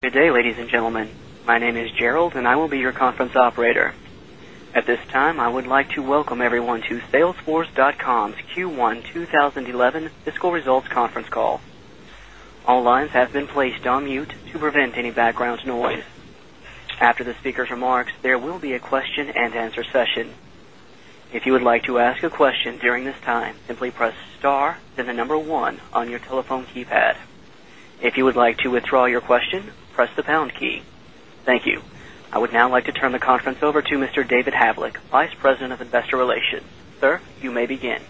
Good day, ladies and gentlemen. My name is Gerald, and I will be your conference operator. At this time, I would like to welcome everyone to salesforce.com's Q1 2011 Fiscal Results Conference Call. Thank you. I would now like to turn the conference over to Mr. David Havlik, Vice President of Investor Relations. Sir, you may begin.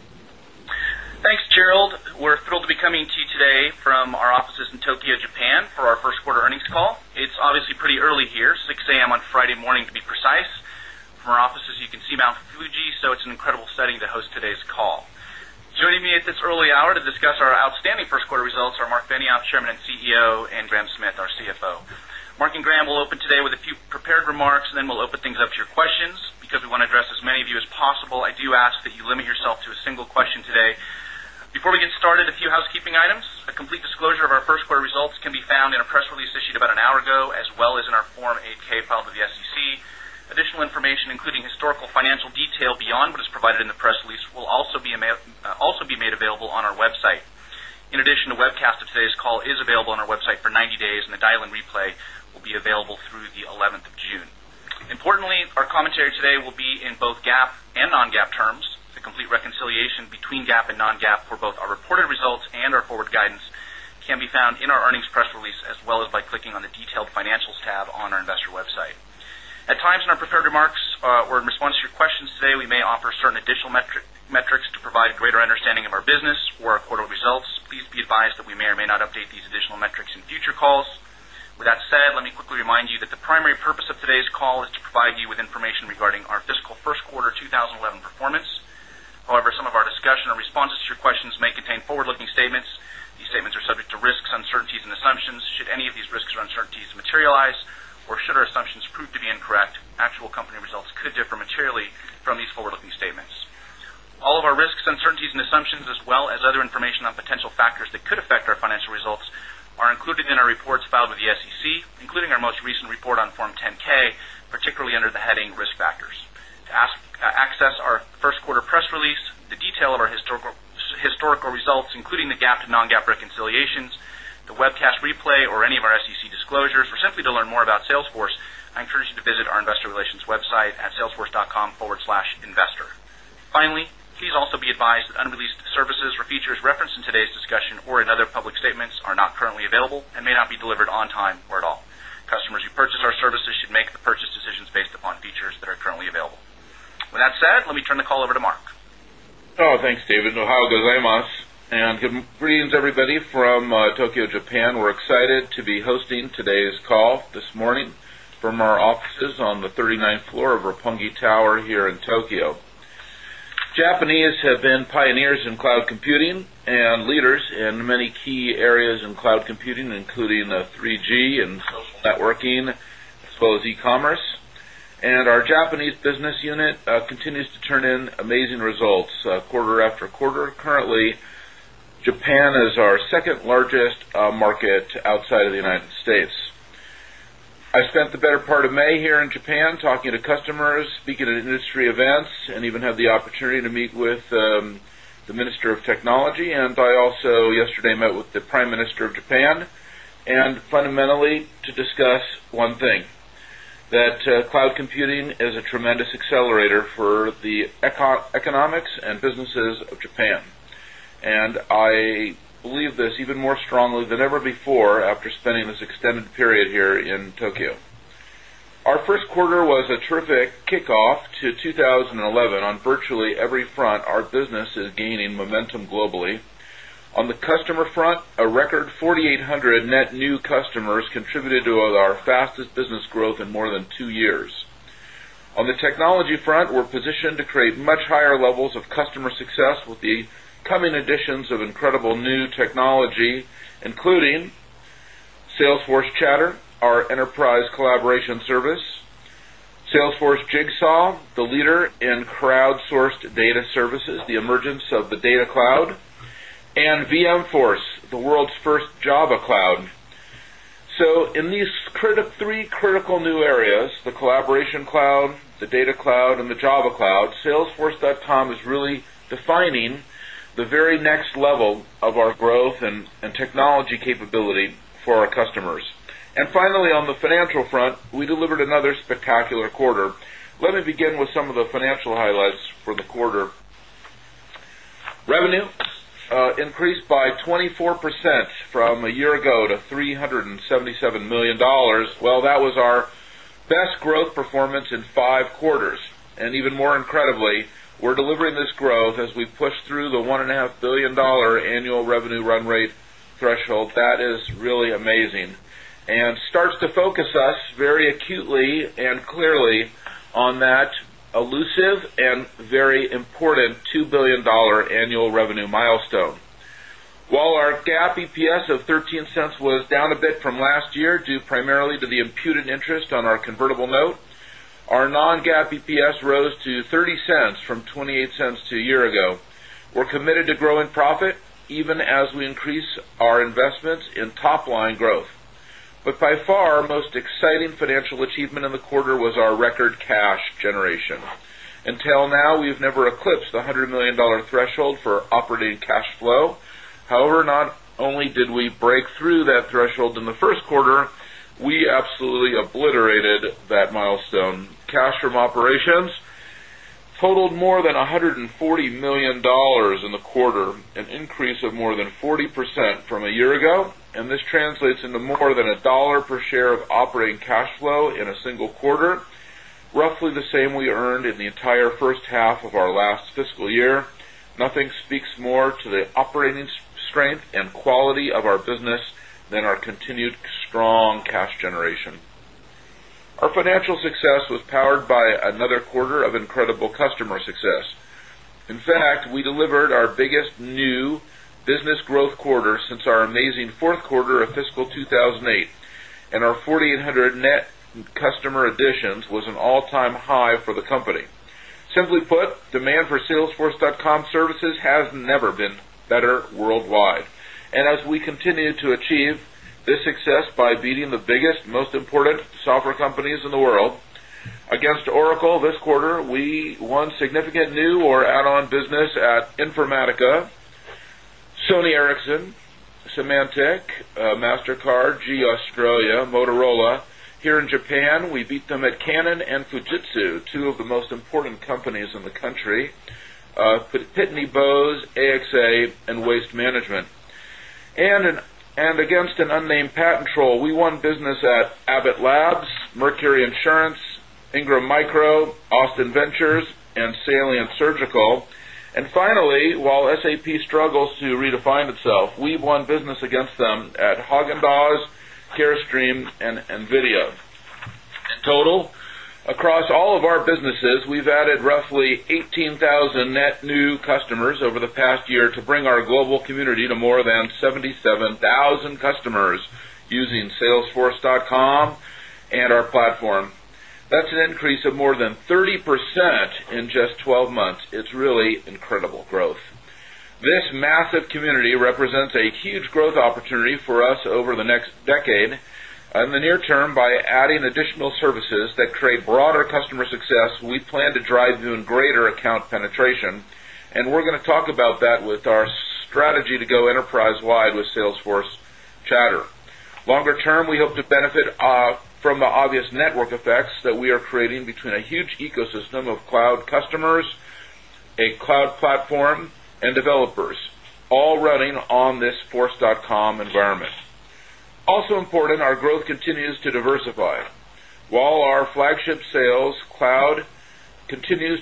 Thanks, Gerald. We're thrilled to be coming to you today from our offices in Tokyo, Japan for our Q1 earnings call. It's obviously pretty early here, 6 am on Friday morning to be precise. From our offices, you can see Mount Fuji, so it's an incredible setting to host today's call. Joining me at this early hour to discuss our outstanding Q1 results are Mark Benioff, Chairman and CEO and Smith, our CFO. Mark and Graham will open today with a few prepared remarks and then we'll open things up to your questions because we want to address as many of you as possible. I do ask that you limit yourself to a single question today. Before we get started, a few housekeeping items. A complete disclosure of our Q1 results can be found in our press release issued about an hour ago, as well as in our Form 8 ks filed with the SEC. Additional information, including historical financial detail beyond what is provided in the press release will also be made available on our website. In addition, the webcast of today's call is available on our website for 90 days and the dial in replay will be available through 11th of June. Importantly, our commentary today will be in both GAAP and non GAAP terms. The complete reconciliation between GAAP and non GAAP for both our reported results and our forward guidance can be found in our earnings press release as well as by clicking on the detailed financials tab on our investor website. At times in our prepared remarks or in response to your questions today, we may offer certain additional metrics to provide a greater understanding of our business or our quarterly results. Please be advised that we may or may not update these additional metrics in future calls. With that said, let me quickly remind you that the primary purpose of today's call is to provide you with information regarding our fiscal Q1 2011 performance. However, some of our discussion or responses to your questions may contain forward looking statements. These statements are subject to risks, uncertainties and assumptions. Should any of these risks or uncertainties materialize And greetings everybody from Tokyo, Japan. We're excited to be hosting today's call this morning from our offices on the 39th floor of Roppongi Tower here in Tokyo. Japanese have been pioneers in cloud computing and leaders in many key areas in to turn in amazing results quarter after quarter. Currently, Japan is our 2nd largest market outside of the United States. I spent the better part of May here in Japan talking to customers, speaking at industry events and even have the opportunity to meet with the Minister of the computing is a tremendous accelerator for the economics and businesses of Japan. And I believe this even more strongly than ever before after spending this extended period here in Tokyo. Our Q1 was a terrific kickoff to 2011 on virtually every front our business is gaining momentum globally. On the customer front, a record 4,008 100 net new customers contributed to our fastest business growth in more than 2 years. On the technology front, we're positioned to create much higher levels of customer success with the coming additions of incredible new technology including Salesforce Chatter, our enterprise collaboration service Salesforce Jigsaw, the leader in crowdsourced data services, the emergence of the data cloud and VMforce, the world's 1st Java cloud. So in these three critical new areas, the collaboration cloud, the data cloud and the Java cloud, salesforce.com is really defining the very next level of our growth and technology capability for our customers. And finally on the financial front, we delivered another spectacular quarter. Let me begin with some of the from a year ago to $377,000,000 while that was our best growth performance in 5 quarters. And even more incredibly we're delivering this growth as we push through the $1,500,000,000 annual revenue run rate threshold That is really amazing and starts to focus us very acutely and clearly on that elusive and very important $2,000,000,000 annual revenue milestone. While our GAAP EPS of 0 point $3 was down a bit from last year due primarily to the imputed interest on our convertible note, our non GAAP EPS rose to 0 point We're achievement in the quarter was our record cash generation. Until now we've never eclipsed the $100,000,000 threshold for operating cash flow. However, not only did we break through that threshold in the Q1, we absolutely obliterated that milestone. Cash from operations totaled more than $140,000,000 in the quarter, an increase of more than 40% from year ago and this translates into more than $1 per share of operating cash flow in a single quarter, roughly the same we earned in the entire first half of our last fiscal year. Nothing speaks more to the operating strength and quality of our business than our continued strong cash generation. Our financial success was powered by another quarter of fiscal 2008 and our 4,800 net customer additions was an all time high for the company. Simply put, demand for salesforce.comservices has never been better worldwide. And as we continue to achieve this success by beating the biggest most important software companies in the world against Oracle this quarter we won significant new or add on business at we beat them at Canon and Fujitsu, 2 of the most important companies in the country, Pitney Bowes, AXA and Waste Management. And against an unnamed patent troll, we won business at Abbott Labs, Mercury Insurance, Ingram Carestream and NVIDIA. In total, across all of our businesses, we've added roughly 18,000 net new customers community represents a huge growth opportunity for us over the next decade and the near term by adding additional services that create broader customer success, we plan to drive even greater account penetration and we're going to talk about that with our strategy to go enterprise wide with Salesforce Chatter. Longer term, we hope to benefit from the obvious network effects that we are creating between a huge ecosystem of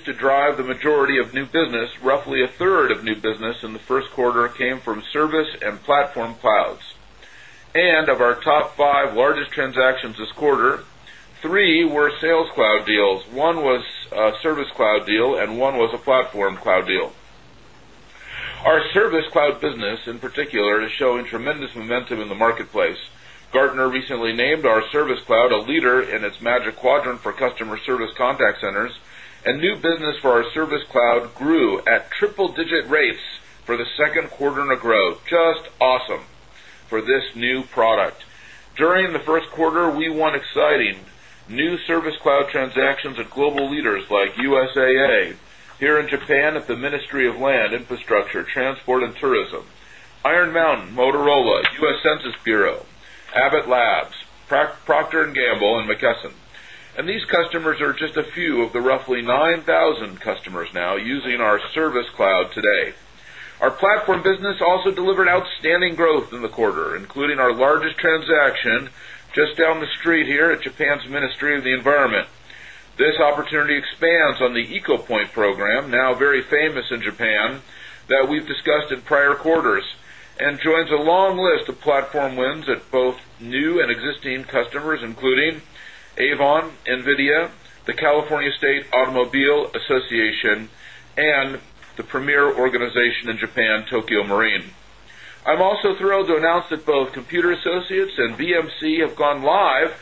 to drive the majority of new business roughly a third of new business in the Q1 came from service and platform clouds. And of our top 5 largest transactions this quarter, 3 were sales cloud deals, 1 was service cloud deal and 1 was platform cloud deal. Our service cloud business in particular is showing tremendous momentum in the marketplace. Gartner recently named our service cloud a leader in its Magic Quadrant for customer service contact centers and new business for our Service Cloud grew at triple digit rates for 2nd quarter in a row, just awesome for this new product. During the Q1, we won exciting new Service Cloud transactions of global leaders like USAA, here in Japan at the Ministry of Land, Infrastructure, Transport and Tourism, Iron Mountain, Motorola, US Census Bureau, Abbott Labs, Procter and Gamble and McKesson. And these customers are just a few of the roughly 9,000 customers now using our Service Cloud today. Our platform business also delivered outstanding growth in the quarter, including our largest transaction just down the street here at Japan's Ministry of the Environment. This opportunity expands on the EcoPoint program now very famous in Japan that we've discussed in prior quarters and joins a long list of platform wins at both new and existing customers including NVIDIA, the California State Automobile Association and the premier organization in Japan, Tokyo Marine. I'm also thrilled to announce that both Computer Associates and VMC have gone live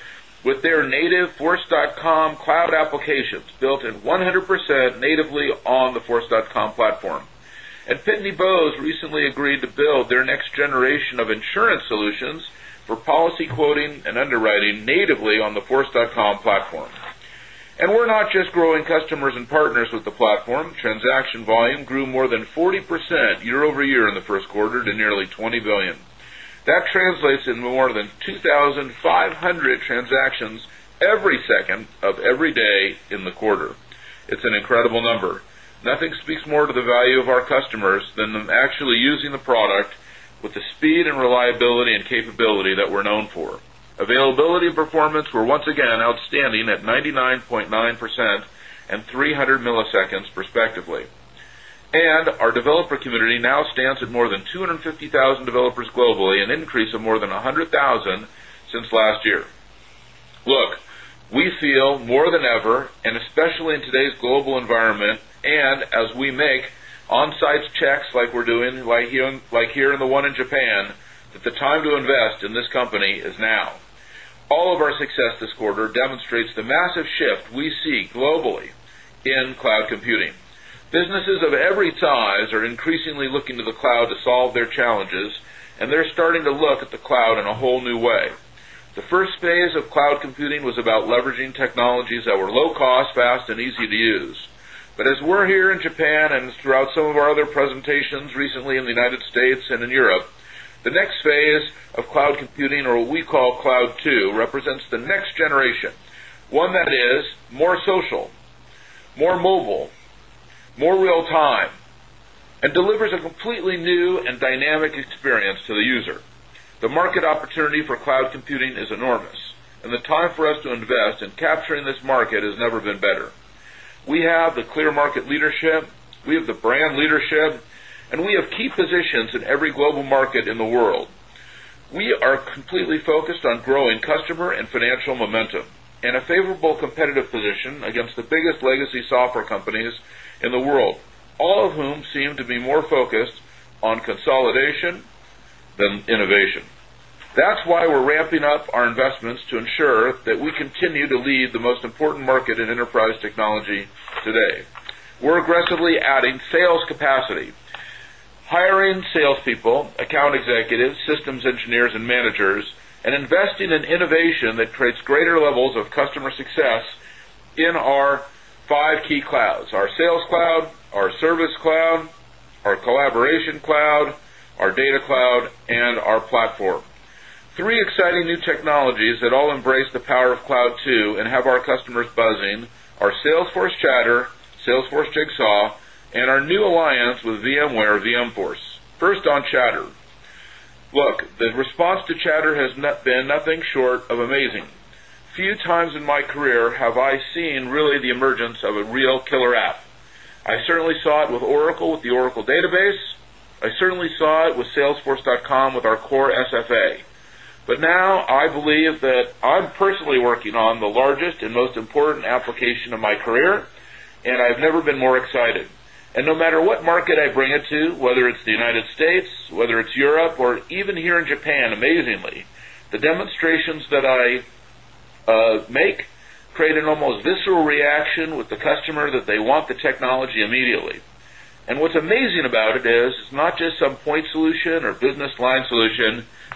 with their native force.comcloudapplications built in 100% percent natively on the force.com platform. And Pitney Bowes recently agreed to build their next generation of insurance solutions for policy quoting and underwriting natively on the force.com platform. And we're not just growing customers and partners with the platform, transaction volume grew more than 40% year over year in the Q1 to nearly $20,000,000,000 That translates into more than 2,500 transactions every second of every day in the quarter. It's an incredible number. Nothing speaks more to the value of our customers than them actually using the product with the speed and reliability and capability that we're known for. Availability performance were once again outstanding at 99.9% 300 milliseconds respectively. And our developer community now stands at more than 250,000 developers globally, an increase of more than 100 as we make on-site checks like we're doing like here and the one in Japan that the time to invest in this company is now. All of our success this quarter demonstrates the massive shift we see globally in cloud computing. Businesses of every size are increasingly looking to the cloud to solve their challenges and they're starting to look at the cloud in a whole new way. The first phase of cloud computing was about leveraging technologies that were low cost, fast and easy to use. But as we're here in Japan and throughout some of our other presentations recently in the United States and in Europe, the next phase of cloud computing or what we call Cloud 2 represents the next generation, one that is more social, more mobile, more real time and delivers a completely new and dynamic experience to the user. The market opportunity for cloud computing is enormous and the time for us to invest in capturing this market has never been better. We have the clear market leadership, we have the brand leadership and we have key positions in every global market in the world. We are completely focused on growing customer and financial momentum and a favorable competitive position against the biggest legacy software companies in the world, all of whom seem to be more focused on consolidation than innovation. That's why we're ramping up our investments to ensure that we continue to lead the most important market in enterprise technology today. We're aggressively adding sales capacity, hiring sales people, account executives, systems engineers and managers and investing in innovation that creates greater levels of customer success in our 5 key clouds, our sales cloud, our service cloud, our collaboration cloud, our data cloud and our platform. 3 exciting new technologies that all embrace the power of cloud too and have our customers buzzing are Salesforce Chatter, Salesforce Jig Saw and our new alliance with VMware VMforce. 1st on Chatter, look, the response to Chatter has been nothing short of amazing. Few times in my career have I seen really the emergence of a real killer app. I certainly saw it with Oracle with the Oracle database. I certainly saw it with salesforce.com with our core SFA. But now I believe that I'm personally working on the largest and most important application of my career and I've never been more excited. And no matter what market I bring it to, whether it's the United States, whether it's Europe or here in Japan amazingly, the demonstrations that I make create an almost visceral reaction with the customer that they want the technology immediately. And what's amazing about it is, it's not just some point solution, 30,000,000,000 today,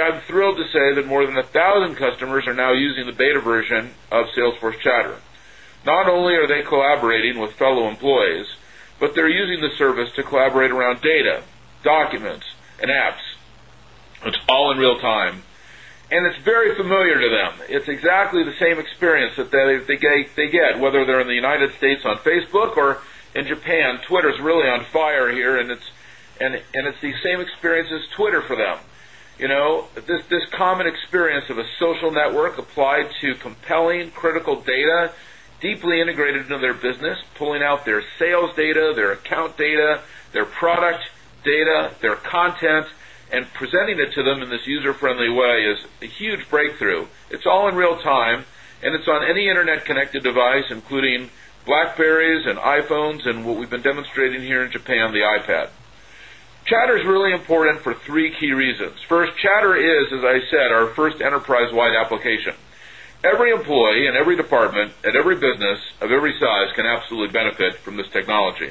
I'm thrilled to say that more than 1,000 customers are now using the beta version of Salesforce Chatter. Not only are they collaborating with fellow employees, but they're using the service to collaborate around data, documents and apps. It's all in real time and it's very familiar to them. It's exactly the same experience that they get whether they're in the United States common experience of a social network applied to compelling critical data deeply integrated into their business, pulling out their sales data, their account data, their product data, their content and presenting it to them in this user friendly way is a huge breakthrough. It's all in real time and it's on any Internet connected device including Blackberrys and iPhones and what we've been enterprise wide application. Every employee in every department at every business of every size can absolutely benefit from this technology.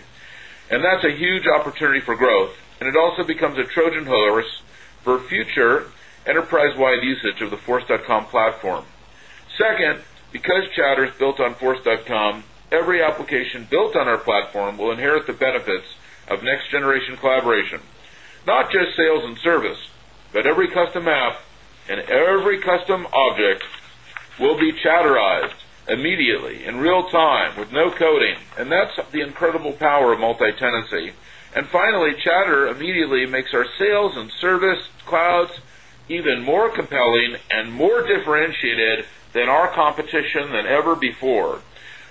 And that's a huge opportunity for growth and it also becomes a Trojan horse for future enterprise wide usage of the force.com platform. 2nd, because Chatter is built on force.com, every application built on our platform will inherit the benefits of next generation collaboration, not just sales and service, but every custom app and every custom object will be Chatterized immediately in real time with no coding and that's the incredible power of multi tenancy. And finally, Chatter immediately makes our sales and service clouds even more compelling and more differentiated than our competition than ever before.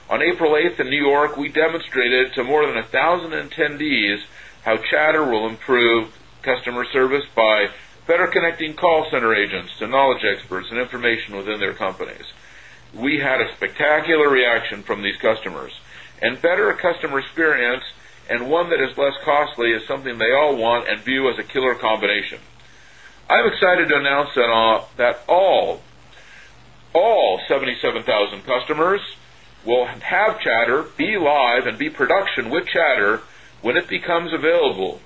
On April 8 in New York, we demonstrated to more than 1,000 attendees how Chatter will improve customer service by better connecting call center agents to knowledge experts and information within their companies. We had a spectacular reaction from these customers and better customer customer experience and one that is less costly is something they all want and view as a killer combination. I'm excited to announce that all 77,000 customers will have Chatter be live and be production with Chatter when it developer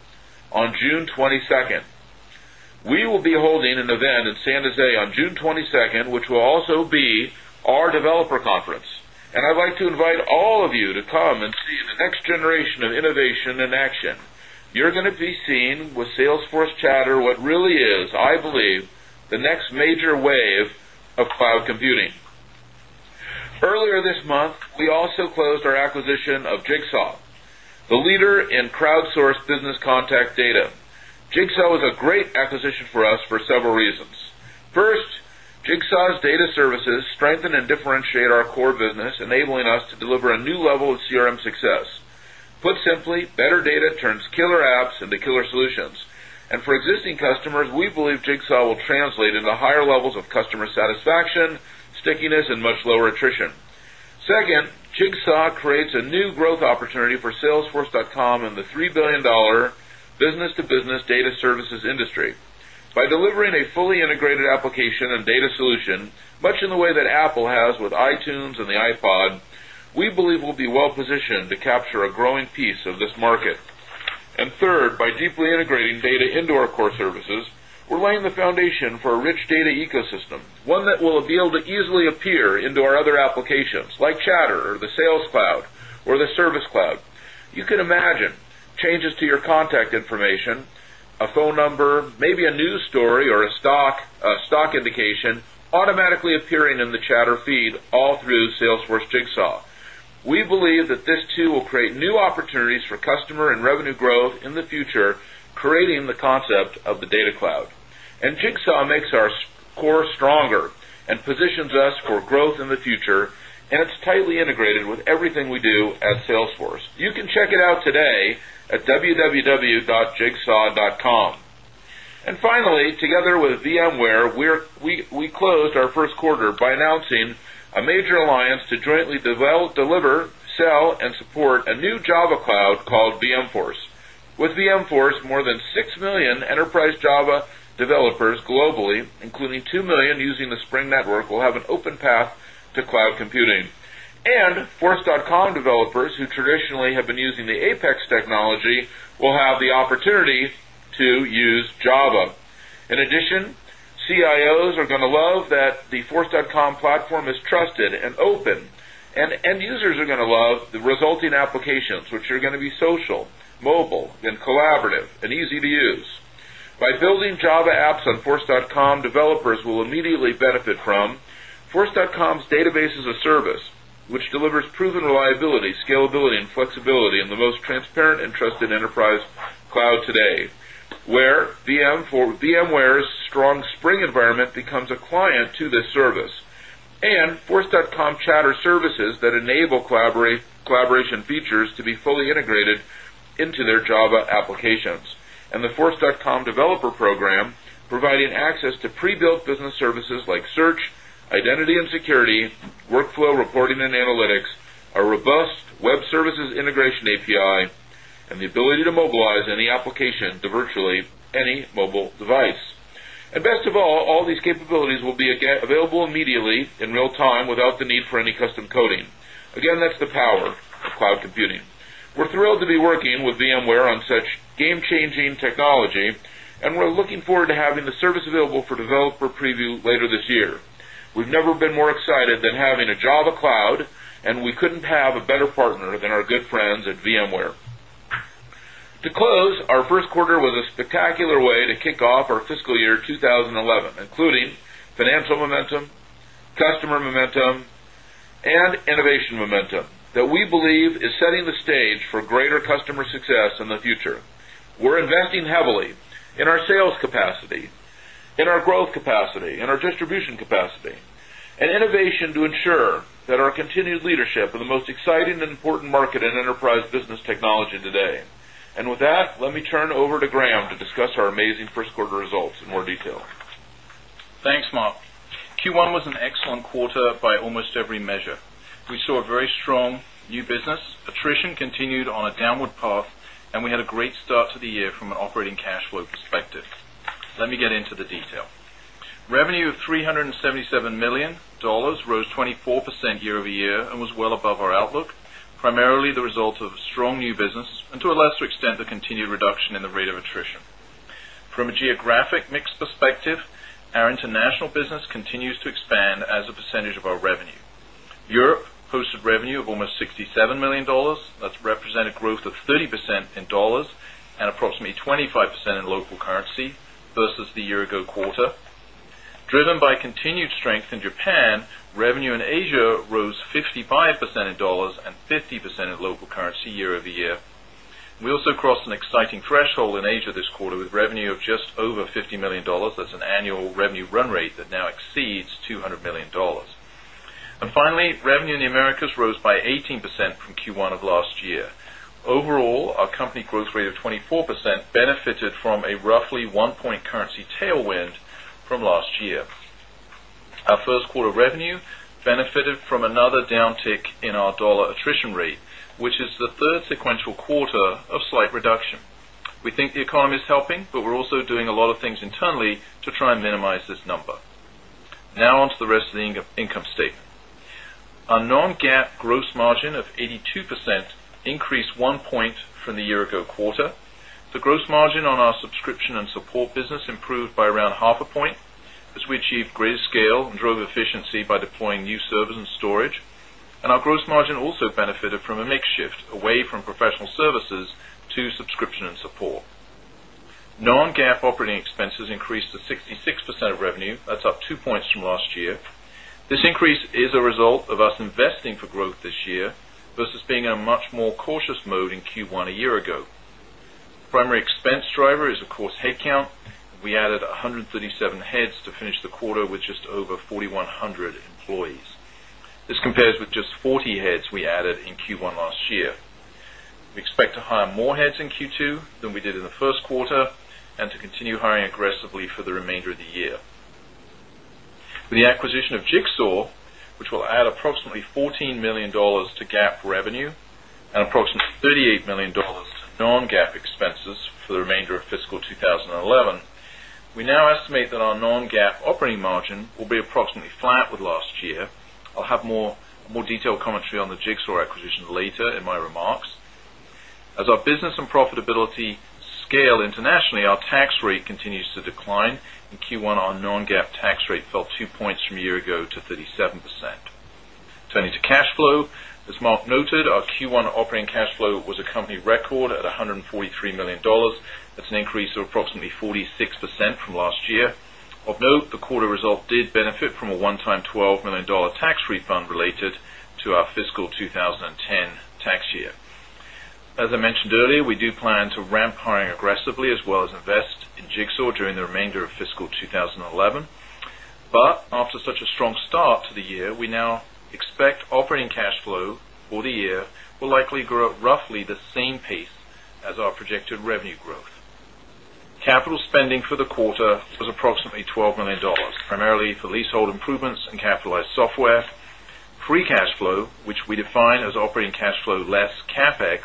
conference. And I'd like to invite all also be our developer conference. And I'd like to invite all of you to come and see the next generation of innovation in action. You're going to be seen with Salesforce Chatter what really is, I believe, the next major wave of cloud sourced business contact data. Jigsaw was a great acquisition for us for several reasons. 1st, Jigsaw's data services strengthen and differentiate our core business enabling us to deliver a new level of CRM success. Put simply, better data turns killer apps in the killer solutions. And for existing customers, we believe Jigsaw will translate into higher levels of customer satisfaction, stickiness and much lower attrition. 2nd, Jigsaw creates a new growth opportunity for salesforce.com in the $3,000,000,000 business to business data services industry. By delivering a fully integrated application and data solution much in the way that Apple has with Itunes and the Ipod, we believe we'll be well positioned to capture a growing piece of this market. And third, by deeply integrating data into our core we're laying the foundation for a rich data ecosystem, one that will appeal to easily appear into our other applications like Chatter or the Sales Cloud or the Service Cloud. You can imagine changes to your contact information, a phone number, maybe a news story or a stock indication automatically appearing in the chatter feed all through Salesforce Jigsaw. We believe that this too will create new opportunities for customer and revenue growth in the future creating the concept of the data cloud. And Jigsaw makes our core stronger and positions us for growth in the future and it's tightly integrated with everything we do at Salesforce. You can check it out today at www.jigsaw.com. And finally, together with Ware, we closed our Q1 by announcing a major alliance to jointly deliver, sell and support a new Java cloud called VMforce. With VMforce more than 6,000,000 enterprise Java developers globally including 2,000,000 using the Spring network will have an open path to cloud computing. And force.com developers who traditionally have been using the Apex technology will have the opportunity to use Java. In addition, CIOs are going to love that the force.com platform is trusted resulting applications, which are going to be social, mobile and collaborative and easy to use. By building Java apps on force.com, developers will immediately benefit from force.com's database as a service, which delivers proven reliability, scalability and flexibility in the most transparent and trusted enterprise cloud today, where VMware's strong spring environment environment becomes a client to this service. And force.comchatter services that enable collaboration features to be fully integrated into their Java applications and the force.com developer program providing access to prebuilt business services like search, identity and security, workflow reporting and analytics, our robust web services integration API and the ability to mobilize any application to virtually any mobile device. And best of all, all these capabilities will be available immediately in real time without the need for any custom coding. Again, that's the power of cloud computing. We're thrilled to be working with VMware on such game changing technology and we're looking forward to having the service available for developer preview later this year. We've never been more excited than having a Java cloud and we couldn't have a better partner than our good friends at VMware. To close, our Q1 was a spectacular way to kick off our fiscal year 2011, including financial momentum, customer momentum and innovation momentum that we believe is setting the stage for greater customer success in the future. We're investing heavily in our sales capacity, in our growth capacity, in our distribution capacity and innovation to ensure that our continued leadership of the most exciting and important market in enterprise business technology today. And with that, let me turn over to Graham to discuss our amazing Q1 results in more detail. Thanks, Mark. Q1 was an excellent quarter by almost every measure. We saw a very strong new business, attrition continued on a downward path and we had a great start to the year from an operating cash flow perspective. Let me get into the detail. Revenue of $377,000,000 rose 24% year over year and was well mix perspective, our international business continues to expand as a percentage of our revenue. Europe posted revenue of almost $67,000,000 that's represented growth of 30% in dollars and approximately 25% in local currency versus the year ago quarter. Driven by continued strength in Japan, revenue in Asia rose 55% in dollars and 50% in local currency year over year. We also crossed an exciting threshold in Asia this quarter with revenue of just over $50,000,000 That's an annual revenue run rate that now exceeds $200,000,000 And finally, revenue in the Americas rose by 18% from Q1 of last year. Overall, our company growth rate of 24% benefited from a roughly 1 point currency tailwind from last year. Our first quarter revenue benefited from another downtick in our dollar attrition rate, which is the 3rd sequential quarter of slight reduction. We think the economy is helping, but we're also doing a lot of things internally to try and minimize this number. Now on to the rest of the income statement. Our non GAAP gross margin of 82% increased 1 point from the year quarter. The gross margin on our subscription and support business improved by around 0.5 point as we achieved great scale and drove efficiency by deploying new service and storage. And our gross margin also benefited from a mix shift away from professional services to subscription and support. Non GAAP operating expenses increased to 66 percent of revenue, that's up 2 points from last year. This increase is a result of us investing for growth this year versus being in a much more cautious mode in Q1 a year ago. Primary expense driver is of course headcount. We added 130 7 heads to finish the quarter with just over 4,100 employees. This compares with just 40 heads we added in Q1 year. We expect to hire more heads in Q2 than we did in the Q1 and to continue hiring aggressively for the remainder of the With the acquisition of Jigsaw, which will add approximately $14,000,000 to GAAP revenue and approximately $38,000,000 non GAAP expenses for the remainder of fiscal 2011. We now estimate that our non GAAP operating margin will be approximately flat with last year. I'll have more detailed commentary on the Jigsaw acquisition later in my remarks. As our business and profitability scale internationally, our tax rate continues to decline. In Q1, our non GAAP tax rate fell 2 points from a year ago to cash flow. As Mark noted, our Q1 operating cash flow was a company record at $143,000,000 That's an increase of approximately 46 percent from last year. Of note, the quarter result did benefit from a one time $12,000,000 tax refund related to our fiscal 20 a strong start to the year, we now expect operating cash flow for the year will likely grow at roughly the same pace as our projected revenue growth. Capital spending for the quarter was approximately $12,000,000 primarily for lease hold improvements and capitalized software. Free cash flow, which we define as operating cash flow less CapEx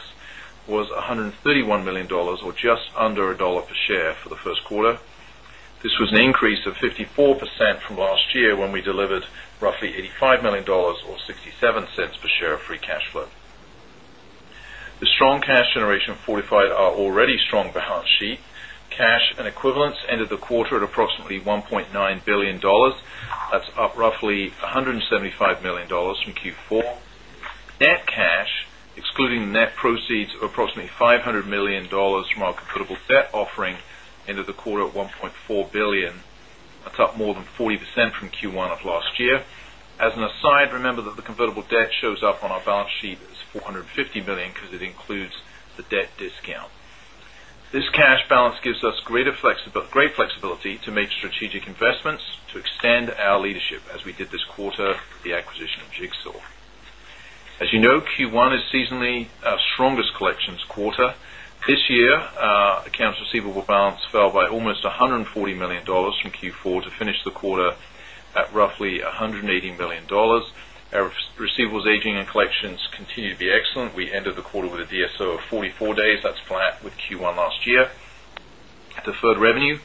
was $131,000,000 or just under $1 per share for the Q1. This was an increase of 54% from last year when we delivered roughly $85,000,000 or $0.67 per share of free cash flow. The strong cash generation fortified our already strong balance sheet. Cash and equivalents ended the quarter at approximately $1,900,000,000 that's up roughly $175,000,000 from Q4. Net cash, excluding net proceeds of approximately $500,000,000 from our convertible debt offering ended the quarter at 1,400,000,000 dollars atop more than 40% from Q1 of last year. As an aside, remember that the convertible debt shows up on our balance sheet includes the debt discount. This cash balance gives us great flexibility to make strategic investments to extend our leadership we did this quarter with the acquisition of Jigsaw. As you know, Q1 is seasonally strongest collections quarter. This year, accounts receivable balance fell by almost $140,000,000 from Q4 to finish the quarter at roughly $180,000,000 Our receivables aging and collections continue to be excellent. We ended the quarter with a DSO of 44 days, that's flat with Q1 last year. Deferred revenue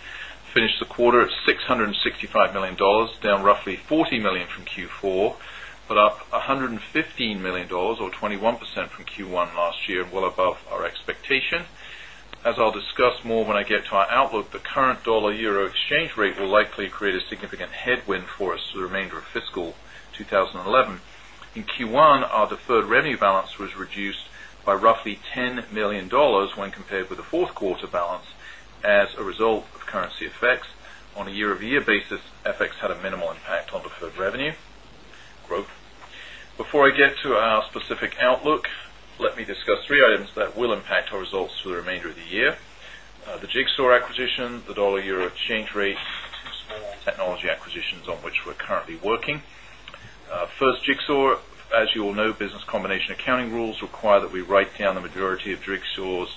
finished the quarter at 6 $65,000,000 down roughly $40,000,000 from Q4, but up $115,000,000 or 21% from Q1 last year, well above our expectation. Us through the remainder of fiscal twenty us for the remainder of fiscal 2011. In Q1, our deferred revenue balance was reduced by roughly $10,000,000 when compared with the Q4 balance as a result of currency effects. On a year over year basis, FX had a minimal impact on deferred revenue growth. Before I get to our specific outlook, let me discuss 3 items that will impact our results for the remainder of the year. The Jigsaw acquisition, the dollar euro exchange rate, small technology acquisitions on which we're currently working. First Jigsaw, as you all know, business accounting rules require that we write down the majority of Jigsaw's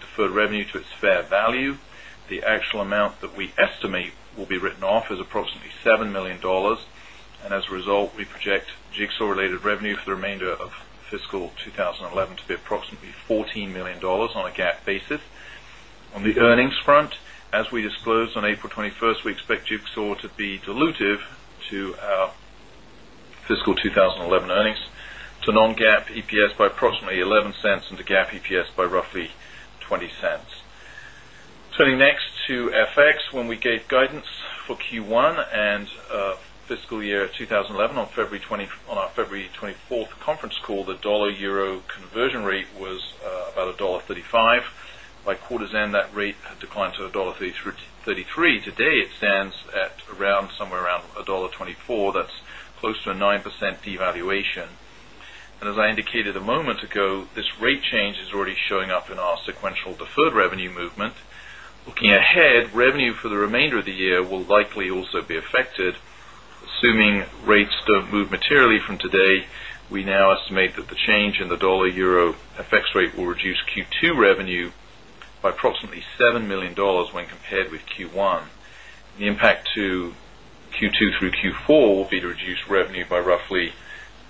deferred revenue to its fair value. The actual amount that we estimate will be written off is approximately $7,000,000 And as a result, we project Jigsaw related revenue for the remainder of fiscal 20 11 to be approximately 14,000,000 on a GAAP basis. On the earnings front, as we disclosed on April 21, we expect Jukesaw to be dilutive to our fiscal 2011 earnings to non GAAP EPS by approximately $0.11 and the GAAP EPS by roughly $0.20 Turning next to FX, when we gave guidance for Q1 fiscal year 2011 on February 24 conference call, the dollar euro conversion rate was about $1.35 By quarter's end, that rate had declined to $1.33 Today, at around somewhere around $1.24 That's close to a 9% devaluation. And as I indicated a moment ago, this rate change is already showing up in our sequential deferred revenue movement. Looking ahead, revenue for the remainder of the year will rate will reduce Q2 revenue by approximately $7,000,000 when compared with Q1. The impact to Q2 through Q4 will be reduced revenue by roughly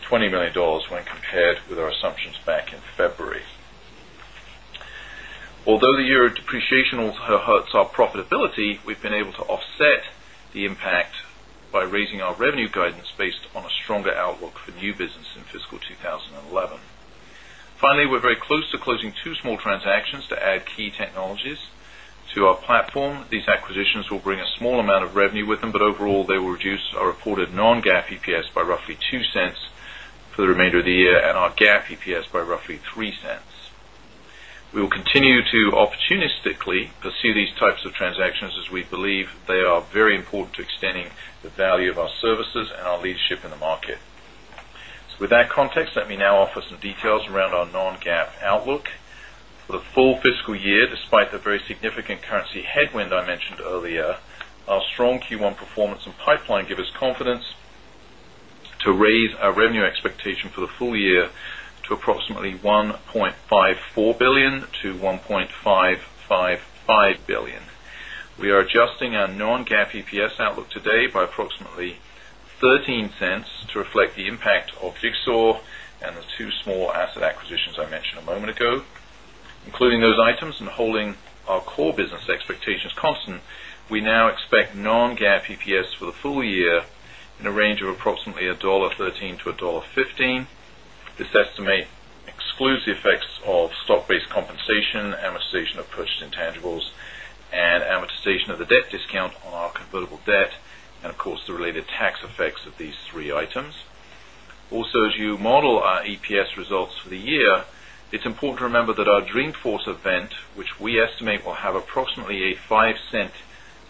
$20,000,000 when compared with our assumptions back in February. Although the year of depreciation also hurts our profitability, we've been able to offset the impact by raising our revenue guidance based on a stronger outlook for new business in fiscal 2011. Finally, we're very close to closing 2 small transactions to add key technologies to our platform. These acquisitions will bring a small amount of revenue with them, but overall they will reduce our reported non GAAP EPS by roughly $0.02 for the remainder of the year and our GAAP EPS by roughly 0 point 0 $3 We will continue to opportunistically pursue these types of transactions as we believe they are very important to extending the value of our services and our leadership in the market. So with that context, let me now offer some details around our non GAAP outlook. For the full fiscal year, despite the very significant currency headwind I mentioned earlier, our strong Q1 performance and pipeline give us confidence to raise our revenue expectation for the full year to approximately $1,540,000,000 to 1.5 $5,000,000,000 We are adjusting our non GAAP EPS outlook today by approximately $0.13 to reflect the impact of Jigsaw and the 2 small asset acquisitions I mentioned a moment ago. Including those items and holding our core business expectations constant, we non GAAP EPS for the full year in a range of approximately $1.13 to $1.15 This estimate excludes the effects of stock based compensation, amortization of purchase intangibles and amortization of the debt discount on our convertible debt and of course the related tax effects of these three items. Also as you model our EPS results for the year, it's important to remember that our Dreamforce event, which we estimate will have approximately a $0.05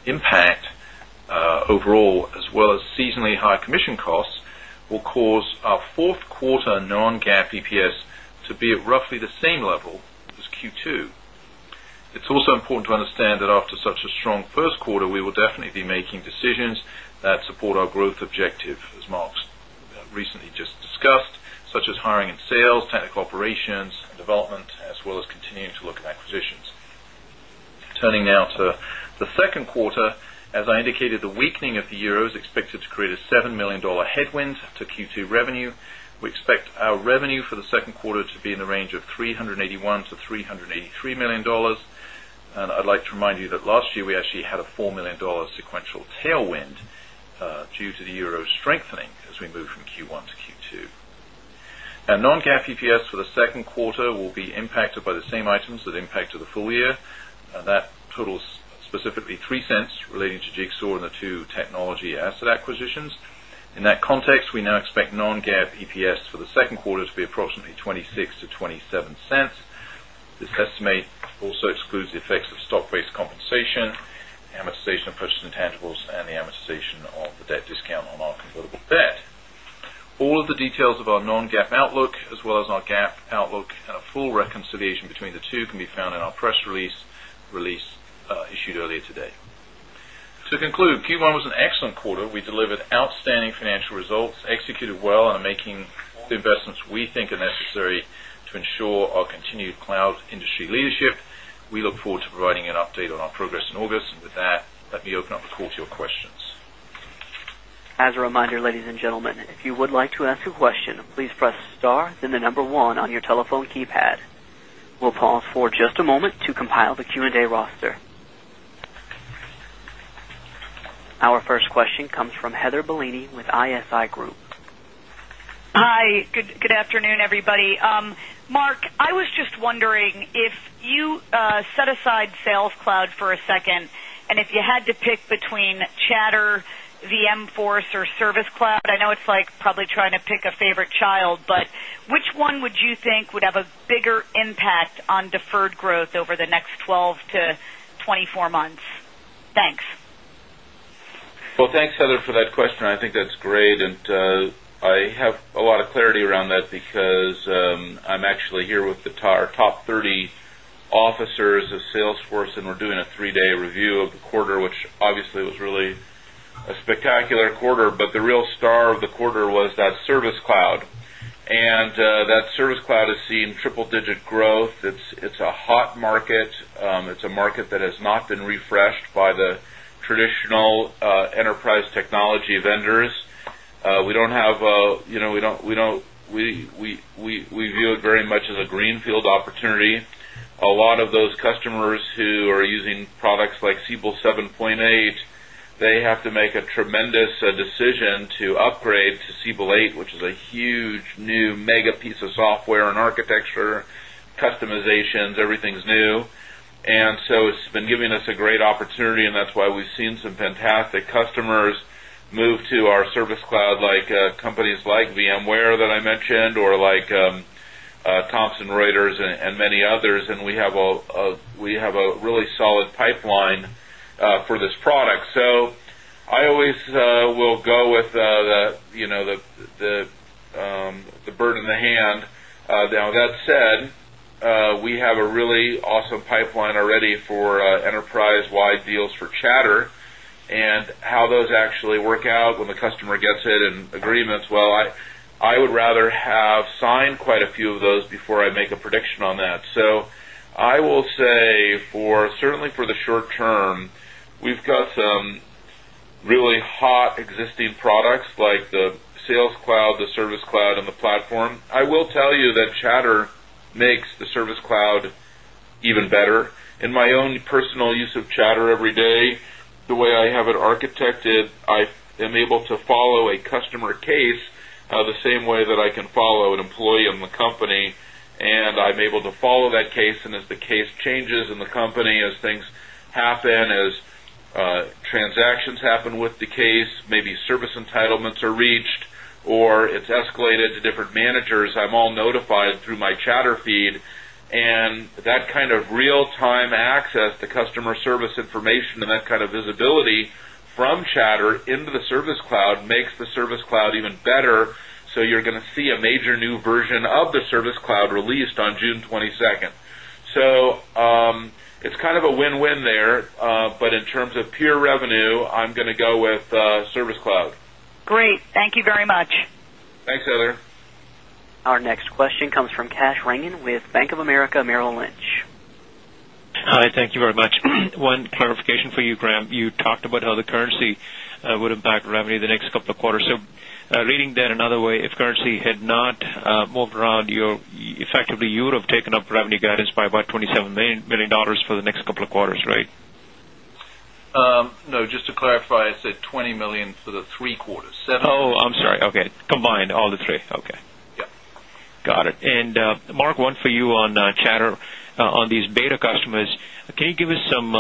impact overall as well as seasonally higher commission costs will cause our 4th quarter non GAAP EPS to be at roughly the same level as Q2. It's also important to understand that after such a strong first quarter, we will definitely be making Mark's recently just discussed, such as hiring and sales, technical operations, development, as well as continuing to look at acquisitions. Turning now to the Q2. As I indicated, the weakening of the euro is expected to create a 7 $1,000,000 headwind to Q2 revenue. We expect our revenue for the Q2 to be in the range of $381,000,000 to 383,000,000 dollars And I'd like to remind you that last year, we actually had a $4,000,000 sequential tailwind due to the euro strengthening as we move from Q1 to Q2. Our non GAAP EPS for the 2nd quarter will be impacted by the same items that impacted the full year. That specifically $0.03 relating to Jigsaw and the 2 technology asset acquisitions. In that context, we now expect non GAAP EPS for the 2nd quarter to be approximately $0.26 to $0.27 This estimate also excludes the effects of stock based compensation, amortization of purchase intangibles and the amortization of the debt discount on our convertible debt. All of the details of our non GAAP outlook as well as our GAAP outlook and a full reconciliation between the 2 can be found in our press release earlier today. To conclude, Q1 was an excellent quarter. We delivered outstanding financial results, executed well and are making investments we think are necessary to ensure our continued cloud industry leadership. We look forward to providing an update on our progress in August. With that, let me open up the call Our first question comes from Heather Bellini with ISI Group. Hi, good afternoon everybody. Mark, I was just wondering if you set aside Sales Cloud for a second and if you had to pick between Chatter, VM Force or Service Cloud, I know it's like probably trying to pick a favorite child, but which one would you think would have a bigger impact on deferred growth over the next 12 months to 24 months? Thanks. Well, thanks Heather for that question. I think that's great. And I have a lot of clarity around that because I'm actually here with the top 30 officers of sales force and we're doing a 3 day review of the quarter, which obviously was really a spectacular quarter, but the real star of the quarter was that Service Cloud. And that Service Cloud has seen triple digit growth. It's a hot market. It's a market that has not been refreshed by the traditional enterprise technology vendors. We don't have we view it very much as a greenfield opportunity. A lot of those customers who are using products like 7.8, they have to make a tremendous decision to upgrade to Siebel 8, which is a huge new mega piece of software and architecture customizations, everything is new. And so it's been giving us a great opportunity and that's why we've seen some fantastic customers Thompson Reuters and many others. And we have a really solid pipeline for this product. So I always will go with the burden in the hand. Now that said, we have a really awesome pipeline already for enterprise wide deals for a few of those before I make a prediction on that. So I will say for certainly for the short term, we've got some some really hot existing products like the sales cloud, the service cloud and the platform. I will tell you that chatter makes the service cloud and the platform. I will tell you that chatter makes the service cloud even better. In my own personal use of chatter every day, the way I have it architected, I am able to follow a customer case the same way that I can follow an employee in the company and I'm able to follow that case and as the case changes in the company, as things happen, as transactions happen with the case, maybe service entitlements are reached or it's escalated to different managers, I'm all notified through my chatter feed and that kind of real time access to customer service information and that kind of visibility from chatter into the service cloud makes the service cloud even better. So you're going to see a major new version of the service cloud released on June 22. So it's kind of a win win there, but in terms of peer revenue, I'm going to go with Service Cloud. Great. Thank you very much. Thanks, Heather. Our next question comes from Kash Rangan with Bank of America Merrill Lynch. Hi, thank you very much. One clarification for you, Graeme. You talked about how the currency would impact revenue in the next couple of quarters. So reading that another way, if currency had not moved around your effectively you would have taken up revenue guidance by about 20 $7,000,000 for the next couple of quarters, right? No, just to clarify, I said $20,000,000 for the 3 quarters. I'm sorry, okay. Combined all the 3, okay. Yes. Got it. And Mark, one for you on chatter on these beta customers. Can you give us some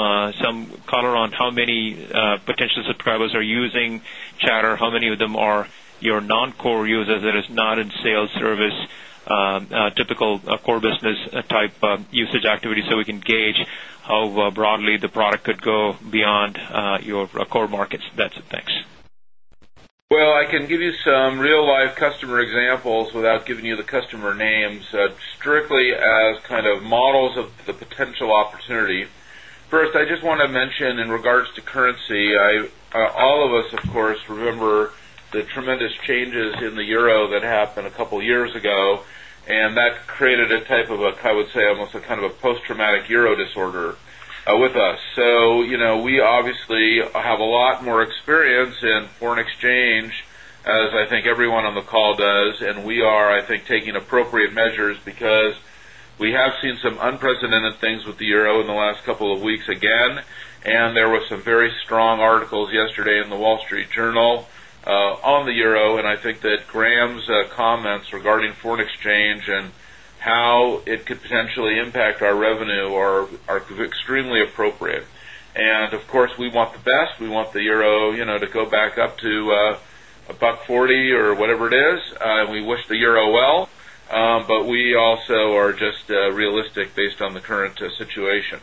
color on how many potential subscribers are using chatter? How many of them are your non core users that is not in sales service, typical core business type usage activity, so we can gauge how broadly the product could go beyond your core markets? That's it. Thanks. Well, I can give you some real life customer examples without giving you the customer names strictly as kind of models of the potential opportunity. First, I just want to mention in regards to currency, all of us of course remember the tremendous changes in the euro that happened a couple of years ago and that created a type of a, I would say, almost a kind of a post traumatic euro I think everyone on the call does and we are I think taking appropriate measures because we have seen some unprecedented things with the euro in the last couple of weeks again. And there were some very strong articles yesterday in the Wall Street Journal on the euro. And I think that Graham's comments regarding foreign exchange and how it could potentially impact our revenue are extremely appropriate. And of course, we want the euro to go back up to $1.40 or whatever it is. We wish the euro well, but we also are just realistic based on the current situation.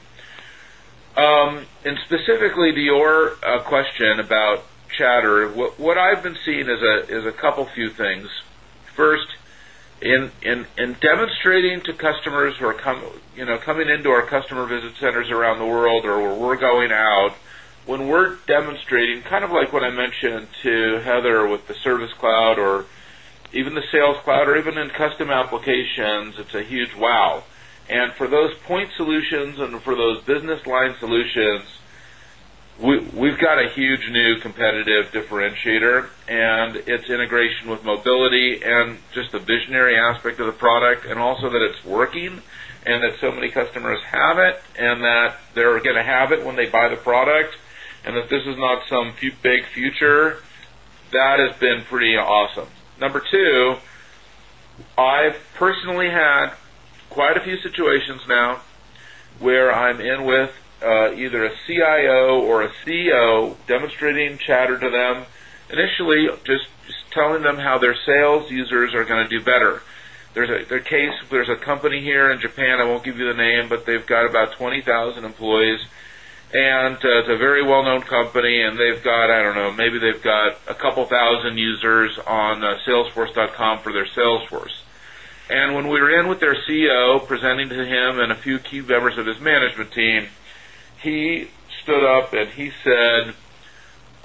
And specifically to your question about chatter, what I've been seeing is a couple of few things. 1st, in demonstrating to customers who are coming into our customer visit centers around the world or we're going out, when we're demonstrating kind of like what I mentioned to Heather with the Service Cloud or even the Sales Cloud or even in custom applications, it's a huge wow. And for those point solutions and for those business line solutions, we've got a huge new competitive differentiator and its integration with mobility and just the visionary aspect of the product and also that it's working and that so many customers have it and that they're going to have it when they buy the product and that this is not some big future that has been pretty awesome. Number 2, I've personally had quite a few situations now where I'm in with either a CIO or a CEO demonstrating chatter to them initially just telling them how their sales users are going to do better. There's a case there's a company here in Japan, I won't give you the name, but they've got about 20,000 employees and it's a very well known company and they've got, I don't know, maybe they've got a couple of 1,000 users on salesforce.com for their sales force. And when we were in with their CEO presenting to him and a few key members of his management team, he stood up and he said,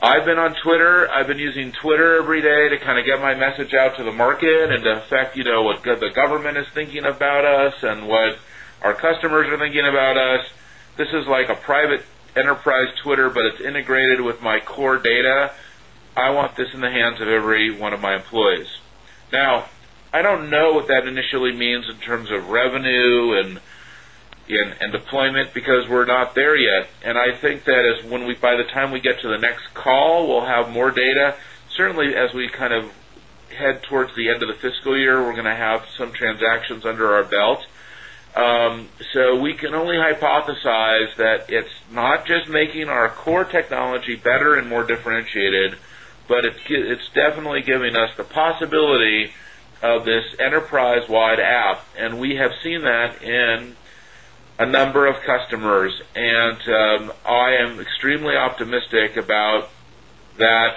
I've been on Twitter, I've been using Twitter every day to kind of get my message out to the market and to affect what the government is thinking about us and what our customers are thinking about us. This is like a private enterprise Twitter, but it's integrated initially next call, we'll have more data. Certainly, as we kind of head towards the end of the fiscal year, we're going to have some transactions under our belt. So we can only hypothesize that it's not just making our core technology better and more differentiated, but it's definitely giving us the possibility of this enterprise wide app and we have seen that in number of customers. And I am extremely optimistic about that.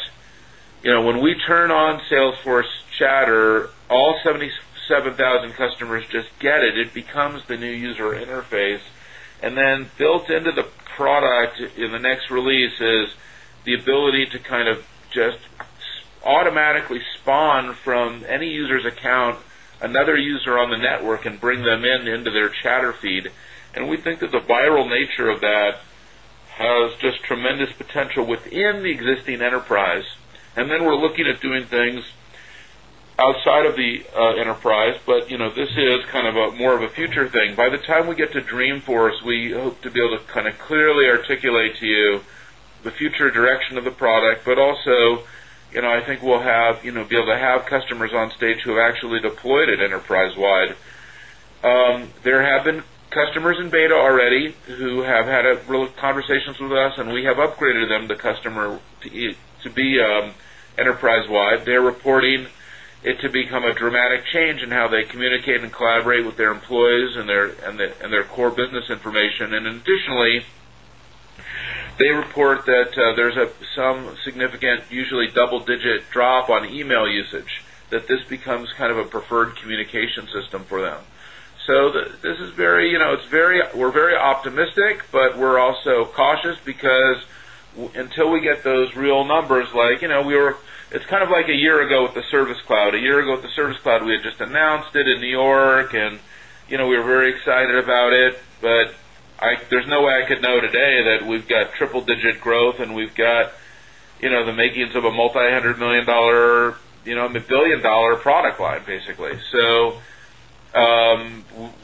When we turn on Salesforce chatter, all 77,000 customers just get it, it becomes the new just automatically spawn from any user's account, another user on the network and bring them in into their chatter feed. And we think that the viral nature of that has just tremendous potential within the existing enterprise. And then we're looking at doing things outside of the enterprise, but this is kind of a more of a future thing. By the time we get to Dreamforce, we hope to be able to kind of clearly articulate to you the future direction of the product, but also I think we'll have be able to have customers on stage who have actually deployed it enterprise wide. There have been customers in beta already who have had real conversations with us and we have upgraded them the customer to be enterprise wide. They're reporting it to become a dramatic change in how they communicate and collaborate with their employees and their core business information. And additionally, they report that there is some significant usually double digit drop on email usage that this becomes kind of a preferred communication system for them. So this is very we're optimistic, but we're also cautious because until we get those real numbers like we were it's kind of like a year ago with the Service Cloud, a year ago with the Service Cloud we had just announced it in New York and we are very excited about it, but there is no way I could know today that we've got triple digit growth and we've got the makings of a multi $100,000,000,000 product line basically. So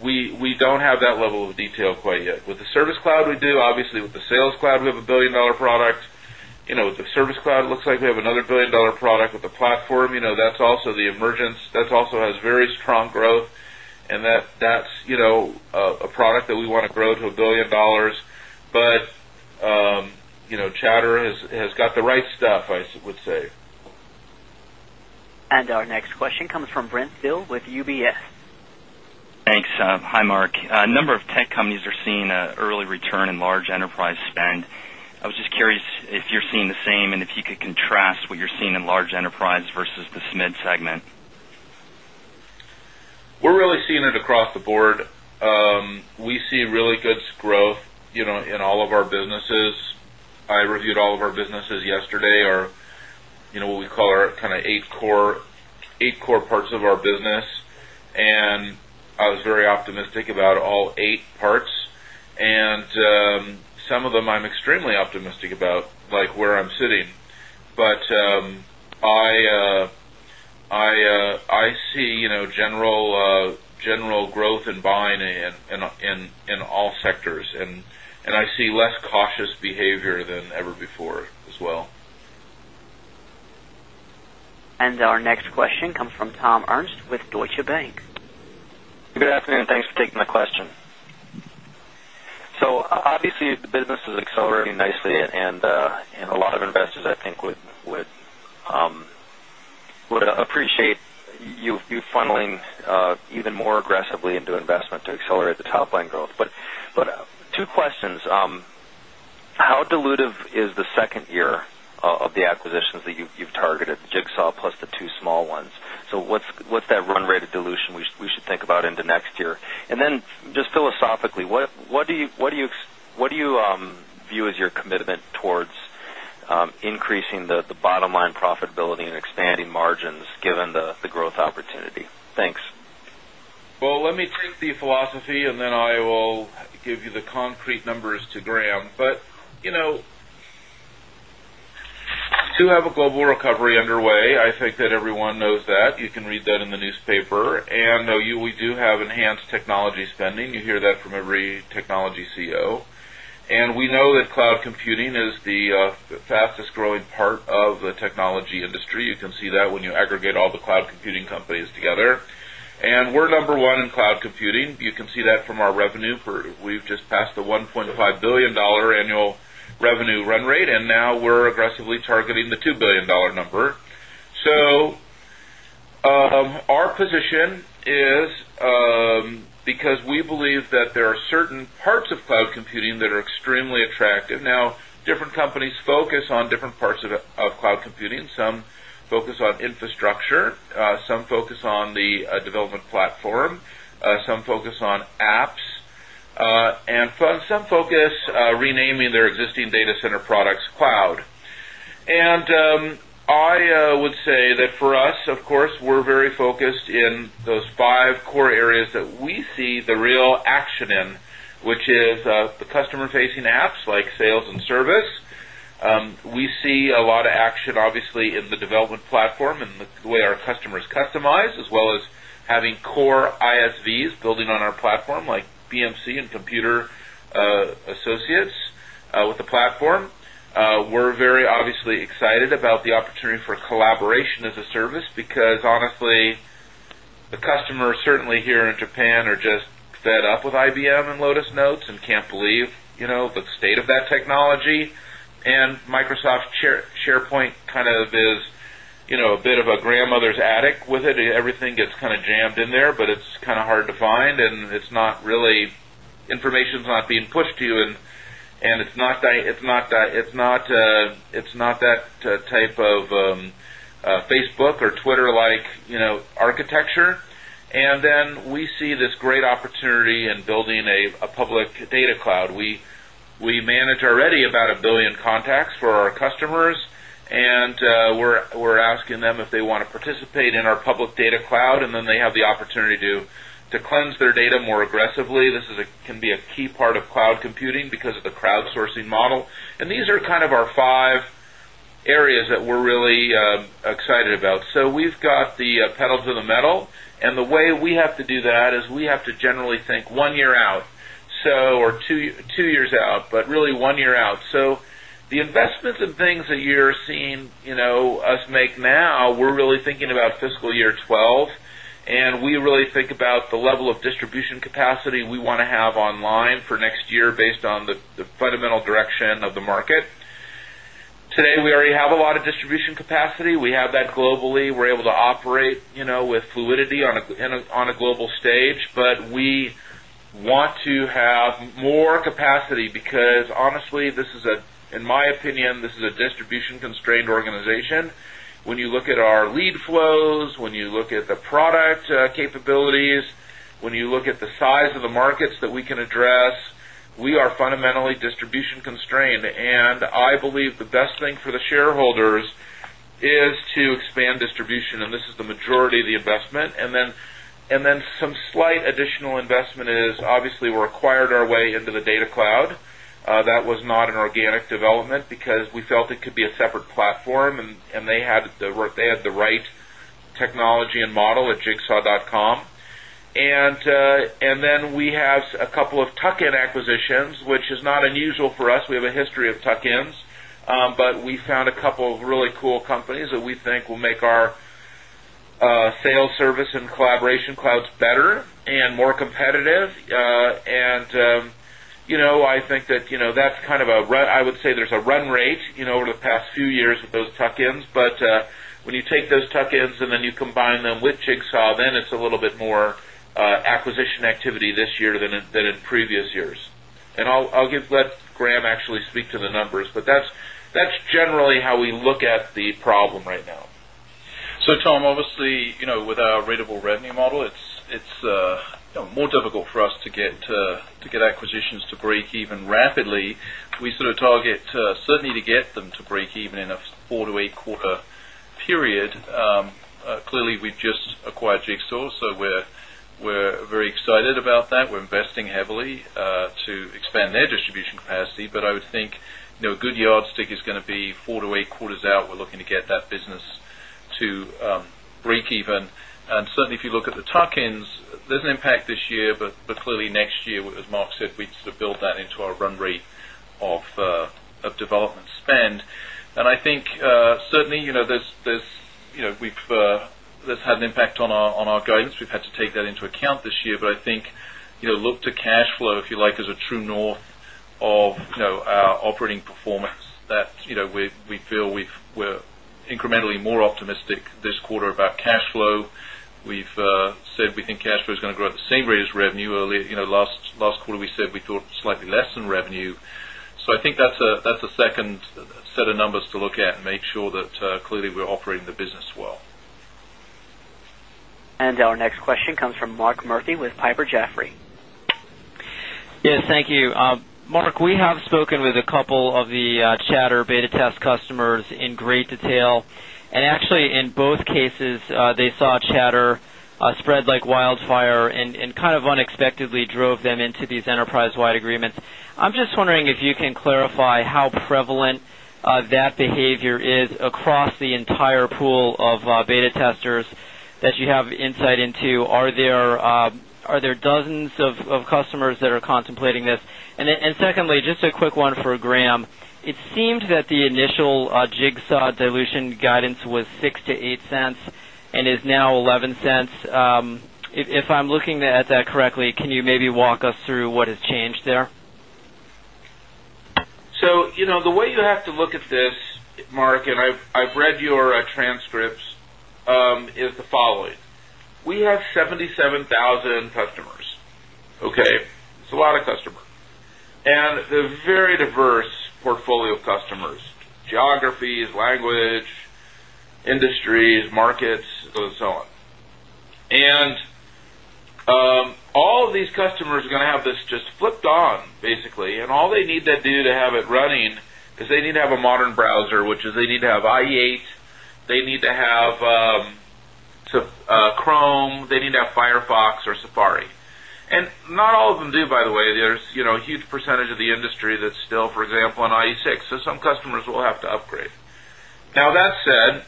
we don't have that level of detail quite yet. With the service cloud, we do. Obviously, with the sales cloud, we have $1,000,000,000 product. With the service cloud, looks like we have another $1,000,000,000 product with the platform. That's also the emergence. That also has very strong growth and that a product that we want to grow to $1,000,000,000 but Chatter has got the right stuff I would say. And our next question comes from Brent Thill with UBS. Thanks. Hi, Mark. A number of tech companies are seeing early return in large enterprise spend. I was just curious if you're seeing the same and if you could contrast what you're seeing in large enterprise versus the SMID segment? Well, growth in all of our businesses. I reviewed all of our businesses yesterday or what we call our kind of 8 core parts of our business. Where I'm sitting. But I see general growth in buying in all sectors and I see less cautious behavior than ever before as well. And our next question comes from Tom Ernst with Deutsche Bank. Good afternoon. Thanks for taking my question. So obviously the business is accelerating nicely and a lot of investors I think would appreciate you funneling even more aggressively into targeted Jigsaw plus the 2 small ones? So what's that run rate of dilution we should think about into next year? And then just philosophically, what do you view as your commitment towards increasing the bottom line profitability and expanding margins given the growth opportunity? Thanks. Well, let me take the philosophy and then I will give you the concrete numbers to Graham. But to have a global recovery underway, I think that everyone knows that. You can read that in the newspaper. Cloud computing is the fastest growing part of the technology industry. You can see that when you aggregate all the cloud computing companies together. And we're number 1 in cloud computing. You can see that from our revenue for we've just passed the $1,500,000,000 annual revenue run rate and now we're aggressively targeting the $2,000,000,000 number. So our position is because we believe that there are certain parts of cloud computing that are extremely attractive. Now different companies focus on different parts of cloud computing, some focus on infrastructure, some focus on the development platform, some focus on apps and some focus renaming their existing data center products cloud. And I would say that for us, of course, we're very focused in those 5 core areas that we see the real action in, which is the customer facing apps like sales and service. We see a lot of action obviously in the development platform and the way our customers customize as well as having core ISVs building on our platform like BMC and Computer Associates with the platform. We're very obviously excited about the opportunity for collaboration as a service because honestly the customers certainly here in Japan are just fed up with IBM and Lotus Notes and can't believe the state of that technology. And Microsoft SharePoint kind of is a bit of a grandmother's attic with it. Everything gets kind of jammed in there, but it's kind of hard to find and it's not really information is not being pushed to you and it's not that type of Facebook or Twitter like architecture. And then we see this great opportunity in building a public data cloud. We manage already about a 1,000,000,000 contacts for our customers and we're asking them if they want to participate in our public data cloud and then they have the opportunity to cleanse their data more aggressively. This is a can be a key part of cloud computing because of the crowdsourcing model. And these are kind of our 5 areas that we're really excited about. So we've got investments and things that you're seeing us make now, we're really thinking about fiscal year 2012 and we really think about the level of distribution capacity we want to have online for next year based on the fundamental direction of the market. Today, we already have a lot of distribution capacity. We have that globally. We're able to operate with fluidity on a global stage, but we want to have more capacity because honestly, in my opinion, this is a distribution constrained organization. When you look at our lead flows, when you look at the product capabilities, when you look at the size of the markets that we can address, we are fundamentally distribution constrained. And I believe the best thing for the shareholders is to expand distribution and this is the majority of the investment. And then some slight additional investment is obviously we acquired our way into the data cloud. That was not an organic development because we felt it could be a separate platform and they had the right technology and model at jigsaw.com. And then we have a couple of tuck in acquisitions, which is not unusual for us. We have a history of tuck ins, but we found a couple of really cool companies that we think will make our sales service and collaboration clouds better and more competitive. And I think that that's kind of a run I would say there's a run rate over the past few years with those tuck ins. But when you take those tuck ins and then you combine them with Jigsaw, then a little bit more acquisition activity this year than in previous years. And I'll give let Graham actually speak to the numbers, but that's generally how we look at the problem right now. So Tom, obviously, with our readable revenue model, it's more difficult for us to get acquisitions to breakeven rapidly. We sort of target certainly to get them to breakeven in a 4 to 8 quarter period. Clearly, we've just acquired Jigsaw. So we're very excited about that. We're investing heavily to expand their distribution capacity. But I would think a good yardstick is going to be 4 to 8 quarters out. We're looking to get that business breakeven. And certainly, if you look at the tuck ins, there's an impact this year, but clearly next year, as Mark said, we'd sort of build that into our run rate of development spend. And I think certainly, this had an impact on our guidance. We've had to take that into account this year. But I think, look to cash flow, if you is a true north of our operating performance that we feel we're incrementally more optimistic this quarter about cash flow. We've said we think cash flow is going to grow at the same rate as revenue. Last quarter, we said we thought slightly less than revenue. So I think that's a second set of numbers to look at and make sure that clearly we're operating the business well. And our next question comes from Mark Murphy with Piper Jaffray. Yes, thank you. Mark, we have spoken with a couple of the chatter beta test customers in great detail. And actually in both cases, they saw chatter spread like wildfire and kind of unexpectedly drove them into these enterprise wide agreements. I'm just wondering if you can clarify how prevalent that behavior is across the entire pool of beta testers that you have insight into? Are there dozens of customers $6 to 0 point 0 $8 and is now 0 point 1 1 $0.06 to 0 point 0 $8 and is now 0 point 1 $1 If I'm looking at that correctly, can you maybe walk us through what has changed there? So, the way you have to look at this, Mark, and I've read your transcripts is the following. We have 77,000 customers, okay? It's a lot of customer. They're very diverse portfolio of customers, geographies, language, industries, markets, so on. And all of these customers are going to have this just flipped on basically and all they need to do to have it running because they need to have a modern browser, which is they need to have IE8, they need to have Chrome, they need to have Firefox or Safari. And not all of them do by the way, there's a huge percentage of the industry that's still for example on IE6. So some customers will have to upgrade. Now that said,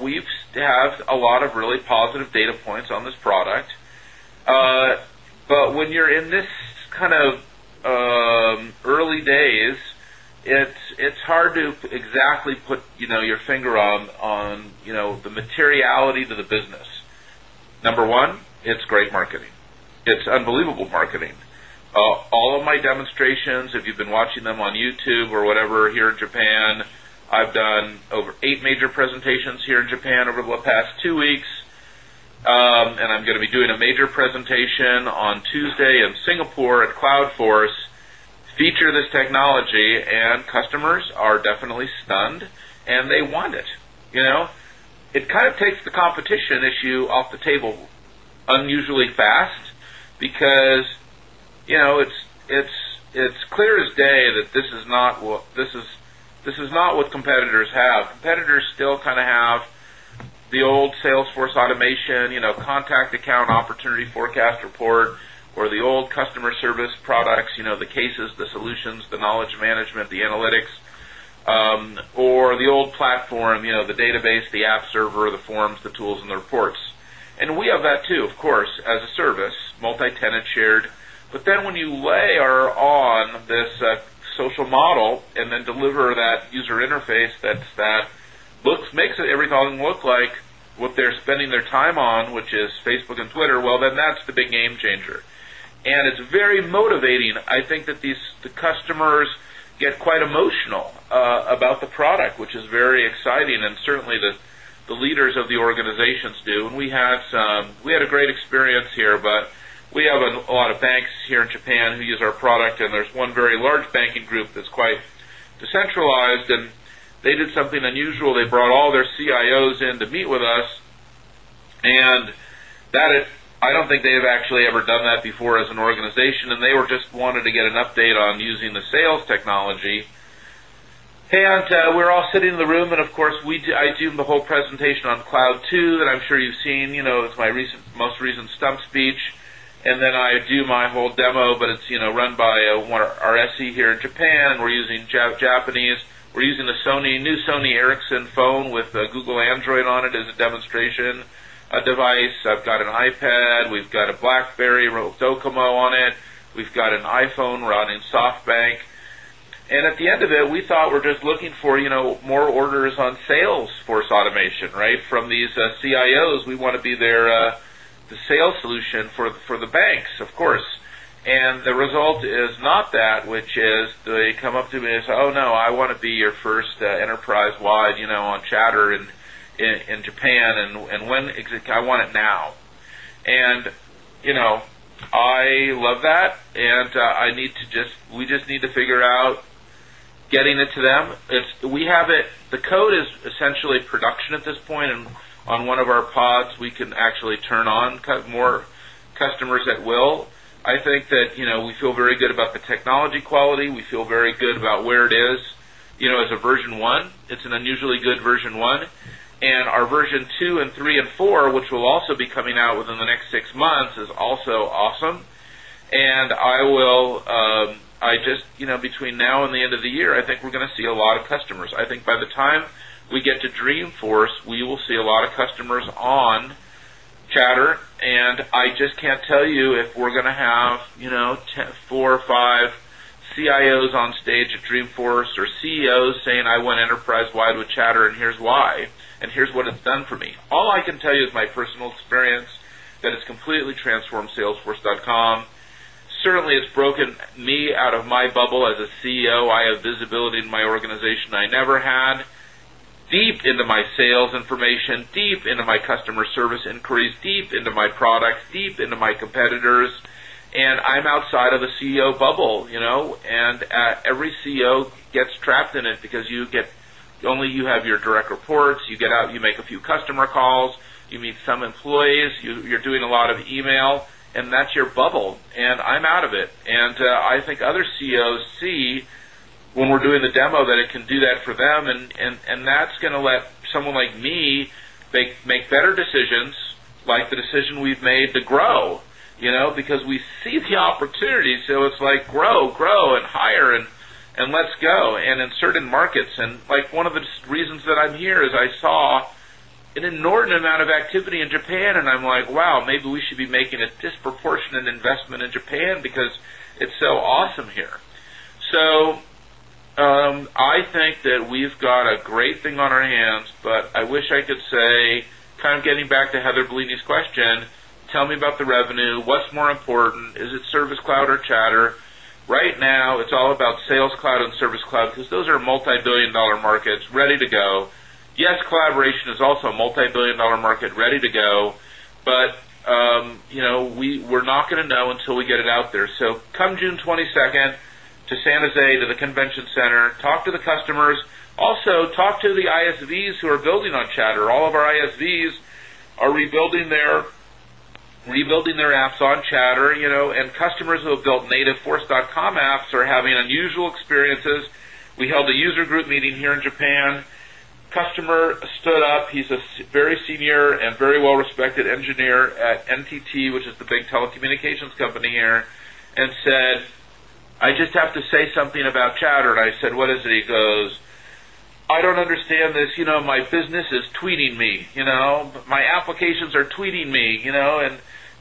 we have a lot of really positive data points on this product. But when you're in this kind of early days, it's hard to exactly put your finger on the materiality to the business. Number 1, it's great marketing. It's unbelievable marketing. All of my demonstrations, if you've been watching them on YouTube or whatever here in Japan, I've done over 8 major presentations here in Japan over the past 2 weeks and I'm going to be doing a major presentation on Tuesday in Singapore at Cloud Force, feature this technology and customers are definitely stunned and they want it. It kind of takes the competition issue off the table unusually fast because it's clear as day that this is not what competitors have. Competitors still kind of have the old sales force automation, contact account opportunity forecast report or the old customer service products, the cases, the solutions, the knowledge management, the analytics have have that too, of course, as a service, multi tenant shared. But then when you lay on this social model and then deliver that user interface that's that looks makes it every time look like what column look like what they're spending their time on, which is Facebook and Twitter, well then that's the big game changer. And it's very motivating. I think that these the customers get quite emotional about the product, which is very exciting and certainly the leaders of the organizations do. And we had a great experience here, but we have a lot of banks here in Japan who use our product and there's one very large bank group that's quite decentralized and they did something unusual. They brought all their CIOs in to meet with us and that is I don't think they have actually ever done that before as an organization and they were just wanted to get an update on using the sales technology. And we're all sitting in the room and of course, I do the whole presentation on Cloud 2 that I'm sure you've seen, it's my most recent stump speech. And then I do my whole demo, but it's run by our SC here in Japan. We're using Japanese. We're using the Sony, new Sony Ericsson phone with Google Android on it as a demonstration device. I've got an iPad, we've got a Blackberry real DOCOMO on it. We've got an iPhone running SoftBank. And at the end of it, we thought we're just looking for more orders on sales force automation, right, from these CIOs, we want to on sales force automation, right? From these CIOs, we want to be there the sales solution for the banks, of course. And the result is not that which is they come up to me and say, oh no, I want to be your 1st enterprise wide on chatter in Japan and when exactly I want it now. And I love that and I need to just we just need to figure out getting it to them. We have it the code is essentially production at this point. And on one of our pods, we can actually turn on more unusually good version 1. And our version a version 1, it's an unusually good version 1. And our version 2, 3, and 4, which will also be coming out within the next 6 months is also awesome. And I will I just between now and the end of the year, I think we're going to see a lot of customers. I think by the time we get to Dreamforce, we will see a lot of customers on chatter. And I just can't tell you if we're going to have 4 or 5 CIOs on stage at Dreamforce or CEOs saying I want enterprise wide with Chatter and here's why and here's what it's done for me. All I can tell you is my personal experience that has completely transformed salesforce.com. Certainly, it's broken me out of my bubble as a CEO. I have visibility in my organization I never had, deep into my sales information, deep into customer service inquiries, deep into my products, deep into my competitors and I'm outside of the CEO bubble and every CEO gets trapped in it because you get only you have your direct reports, you get out, you make a few customer calls, you meet some employees, you're doing a lot of email and that's your bubble and I'm out of it. And I think other CEOs see when we're doing the demo that it can do that for them and that's going to let someone like me make better decisions like the decision we've made to grow, because we see the opportunities. So it's like grow, grow and hire and let's go. And in certain markets and one of the reasons that I'm here is I saw an inordinate amount of activity in Japan and I'm like, wow, maybe we should be making a disproportionate investment in Japan because it's so awesome here. So I think that we've got a great thing on our hands, but I wish I could say kind of getting back to Heather Bellini's question, tell me about the revenue, what's more important, is it Service Cloud or Chatter? Right now, it's all about Sales Cloud and Service Cloud because those are multi $1,000,000,000 markets ready to go. Yes, collaboration is also a multi $1,000,000,000 market ready to go, but we're not going to know until we get it out there. So come June 22 to San Jose to the convention center, talk to the customers, also talk to the having on Chatter and customers who have built nativeforce.comapps are having unusual experiences. We held a user group meeting here in Japan. Customer stood up. He's a very senior and very well respected engineer at NTT, which is the big telecommunications company here and said, I just have to say something about chatter. And I said, what is it? He goes, I don't understand this. My business is tweeting me. My applications are tweeting me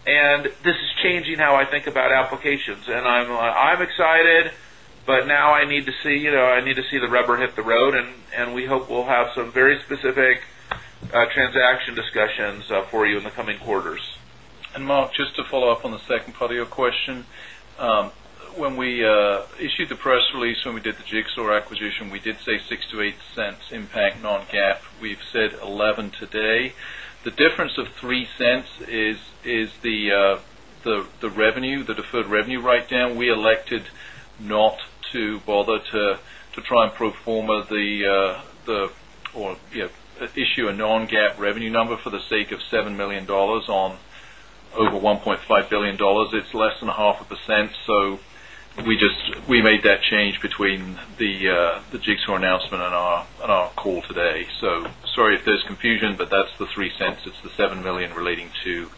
and this is changing how I think about applications. And I'm excited, but now I need to see the rubber hit the road and we hope we'll have some very specific transaction discussions for you in the coming quarters. And Mark, just to follow-up on the second part of your question. When we issued the press release, when we did the Jigsaw acquisition, we did say $0.06 to $0.08 impact non GAAP. We've said $0.11 today. The difference of $0.03 is the revenue, the deferred revenue write down. We elected not to bother to try and pro form a the or issue a non GAAP revenue number for the sake of $7,000,000 on over $1,500,000,000 It's less than 0.5%. So we just we made that change between the Jigsaw announcement on our call today. So sorry if there's confusion, but that's the $0.03 it's the $7,000,000 relating to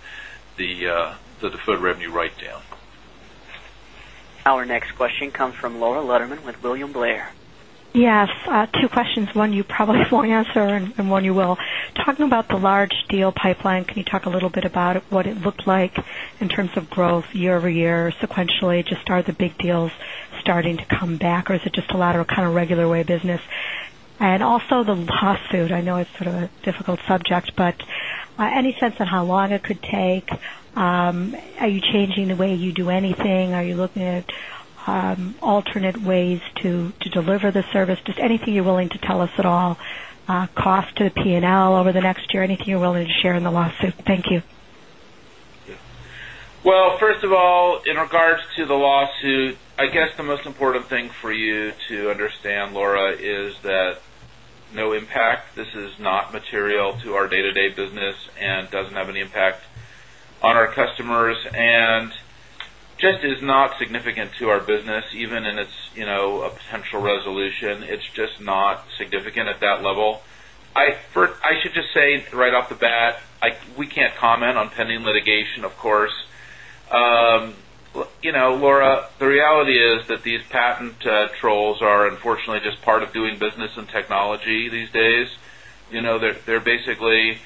the deferred revenue write down. Our next question comes from Laura Letterman with William Blair. Yes. Two questions. 1, you probably won't answer and 1 you will. Talking about the large deal pipeline, can you talk a little about what it looked like in terms of growth year over year sequentially? Just are the big deals starting to come back? Or is just a lot of kind of regular way business? And also the lawsuit, I know it's sort of a difficult subject, but any sense of how long it could take? Are you changing the way you do anything? Are you looking at alternate ways to deliver the service? Just anything you're willing to tell us at all, cost to the P and L over the next year, anything you're willing to share in the lawsuit? You. Well, first of all, in regards to the lawsuit, I guess the most important thing for you to understand, Laura, is that no impact. This is not customers and just is not significant to our business even in its potential resolution. It's just not significant at that level. I should just say right off the bat, we can't comment on pending litigation, of course. Laura, the reality is that these patent trolls are unfortunately just part of doing business in technology these days. They're basically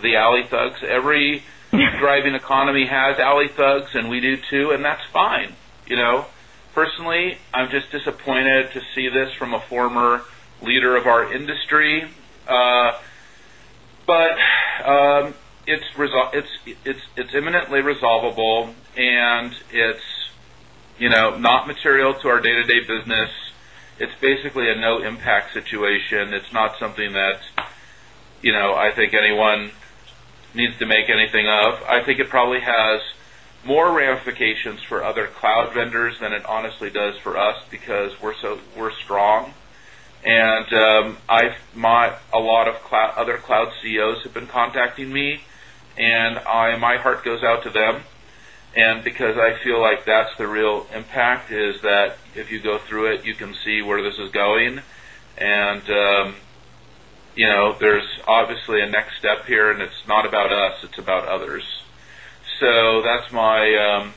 the alley thugs. Every driving economy has alley thugs and we do too and that's fine. Personally, I'm just disappointed to see this from a former leader of our industry. But it's imminently resolvable and it's not material to our day to day business. It's basically a no impact situation. It's not something that I think anyone needs to make anything of. I think it probably has more ramifications for other cloud vendors than it honestly does for us because we're strong. And I've a lot of other cloud CEOs have been contacting me and my heart goes out to them. And because I feel like that's the real impact is that if you go through it, you can see where this is going. And there's obviously a next step here and it's not about us, it's about others. So that's my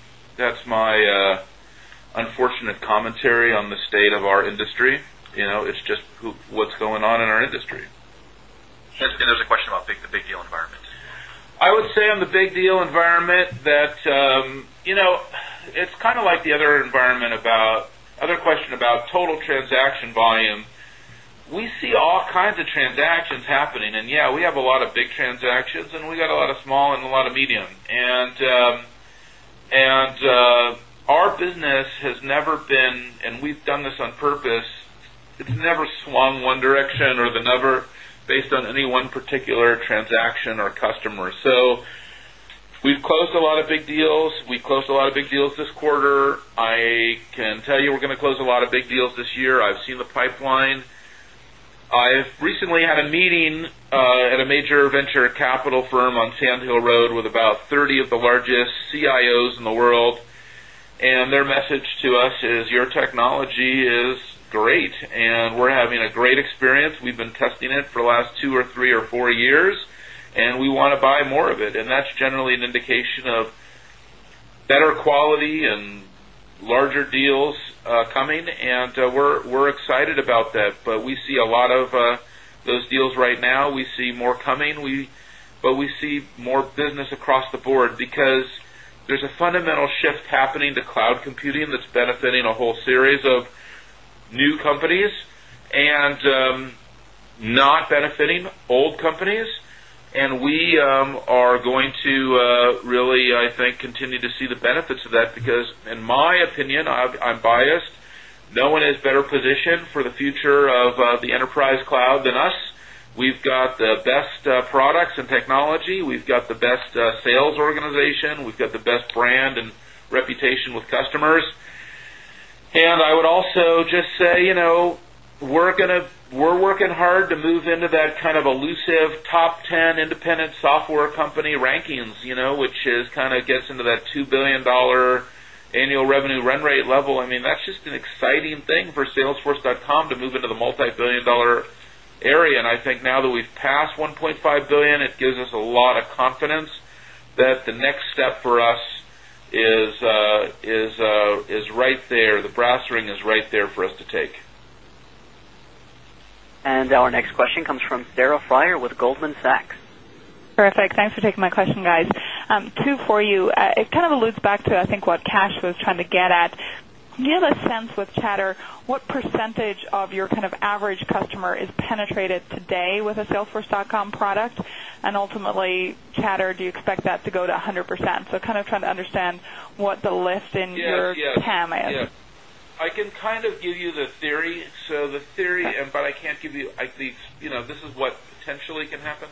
unfortunate commentary on the state of our industry. It's just what's going on in our industry. And there's a question about the big deal environment. I would say on the big deal environment that it's kind of like the other environment about other question about total transaction volume. We see all kinds of transactions happening and yes, we have a lot of transactions and we got a lot of small and a lot of medium. And our business has never been and we've done this on purpose. It's never swung one direction or the number based on any one particular transaction or customer. So So we've closed a lot of big deals. We've closed a lot of big deals this quarter. I can tell you we're going to close a lot of big deals this year. I've seen the pipeline. I've recently had a meeting at a major venture capital firm on Sand Hill Road with about 30 of the largest CIOs in the world. And their message to us is your technology is great and we're having a great experience. We've been testing it for last 2 or 3 or 4 years and we want to buy more of it. And that's generally an indication of better quality and larger deals coming and we're excited about that. But we see a lot of those deals right now. We see more coming, but we see more business across the board because there's a fundamental shift happening to cloud computing that's benefiting a whole series of new companies and not benefiting benefits of that because in my opinion, I'm biased, no one is better positioned for the future of the enterprise cloud than us. We've got the best products and technology. We've got the best sales organization. We've got the best brand move into that kind of elusive top 10 independent software company rankings, which is kind of gets into that $2,000,000,000 annual revenue run rate level. That's just an exciting thing for salesforce.com to move into the multi $1,000,000,000 area. And I think now that we've passed 1.5 ring is right there for us to take. And our next question comes from Sarah Friar with Goldman Sachs. Terrific. Thanks for taking my question guys. 2 for you. It kind of alludes back to I think what cash was trying to get at. Can you have a sense with chatter, what percentage of your kind of average customer is penetrated today with a understand what the lift in your TAM is? Yes. Yes. Yes. So trying to understand what the lift in your TAM is? Yes. I can kind of give you the theory. So the theory, but I can't give you this is what potentially can happen.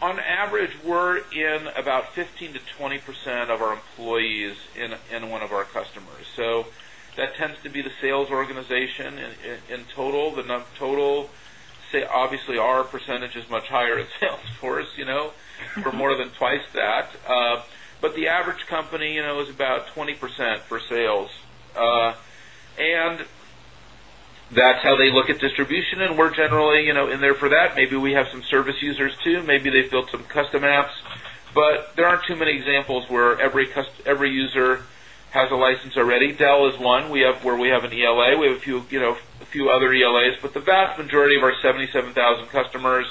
On average, we're in about to be the sales organization in total. The total say obviously our percentage is much higher in sales force for more than twice that. But the average company is about 20% for sales and that's how they look at distribution and we're generally in there for that. Maybe we have some service users too, maybe they've built some custom apps, but there aren't too many examples where every user has a license already. Dell is 1. We have where we have an ELA. We have a few other ELAs, but the vast majority of our 77,000 customers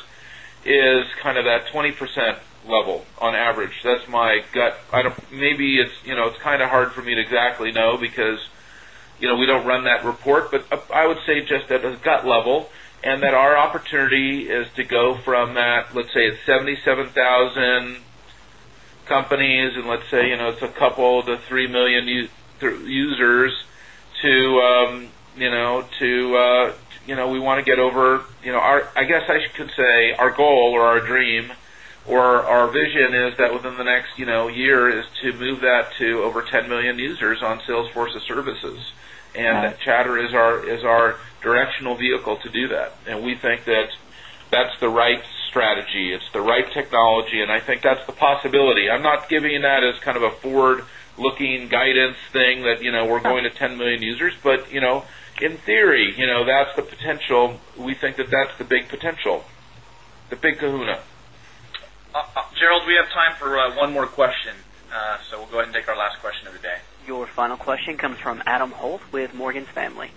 is kind of that 20% level on average. That's my gut. Maybe it's kind of hard for me to exactly know because we don't run that report, but I would say just at a gut level and that our opportunity is to go from that, let's say, 77,000 users to we want to get over I guess I could say our goal or our dream or our vision is that within the next year is to move that to over 10,000,000 users on Salesforce's services. And Chatter is our directional vehicle to do that. And we think that that's the right strategy. It's the right technology. And I think that's the possibility. I'm not giving that as kind of a forward looking guidance thing that we're going to 10,000,000 users, but in theory, that's the potential. We think that that's the big potential, the big kahuna. Gerald, we have time for one more question. So we'll and take our last question of the day. Your final question comes from Adam Holt with Morgan Stanley.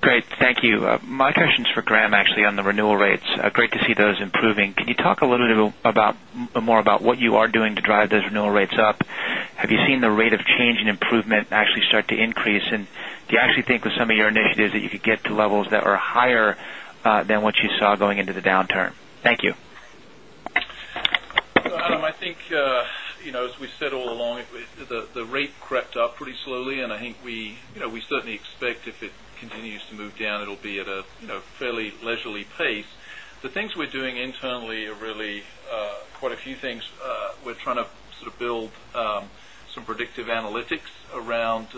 Great. Thank you. My question is for Graham actually on the renewal rates. Great to see those improving. Can you talk a little bit about more about what you are doing to drive those renewal rates up? Have you seen the rate of change and improvement actually start to increase? And do you actually think with some of your initiatives that you could get to levels that are higher than what you saw going into the downturn? Thank you. I think, as we said all along, the rate crept up pretty slowly and I think we certainly expect if it continues to move down, it will be at a fairly leisurely pace. The things we're doing internally are really quite a few things. We're trying to sort of build some predictive analytics around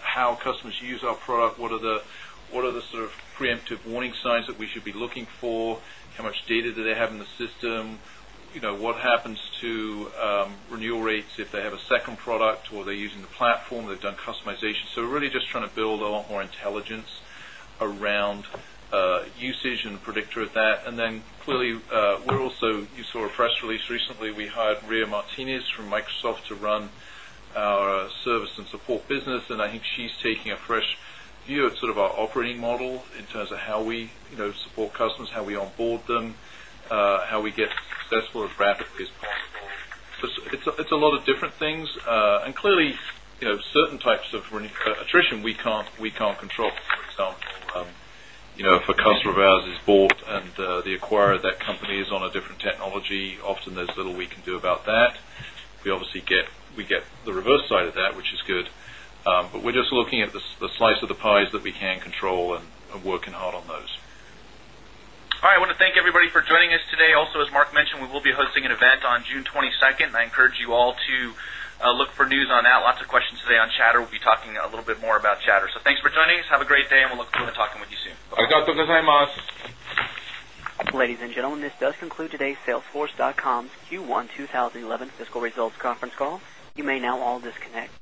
how customers use our product, what are the sort of preemptive warning signs that we should be looking for, how much data do they have in the system, what happens to renewal rates if they have a second product or they're using the platform, they've done customization. So really just trying to build a lot more intelligence predictor of that. And then clearly, we're also you saw a press release recently, we hired from Microsoft to run our service and support business. And I think she's taking a fresh view at sort of our operating model in terms of how we support customers, how we onboard them, how we get successful as rapidly as possible. It's a lot of different things. And clearly, certain types of attrition, we can't control. For example, if a customer of ours is bought and they acquire that company is on a different technology, often there's little we can do about that. We obviously get the reverse side of that, which is good. But we're just looking at the slice of the pies that we can control and working hard on those. All right. I want to thank everybody for joining us today. Also as Mark mentioned, we will be hosting an event on June 22. I encourage you all to look for news on that. Lots of questions today on chatter. We'll be talking a little more about Chatter. So thanks for joining us. Have a great day and we'll look forward to talking with you soon. Ladies and gentlemen, this does conclude today's Salesforce. Com's Q1 2011 fiscal results conference call. You may now all disconnect.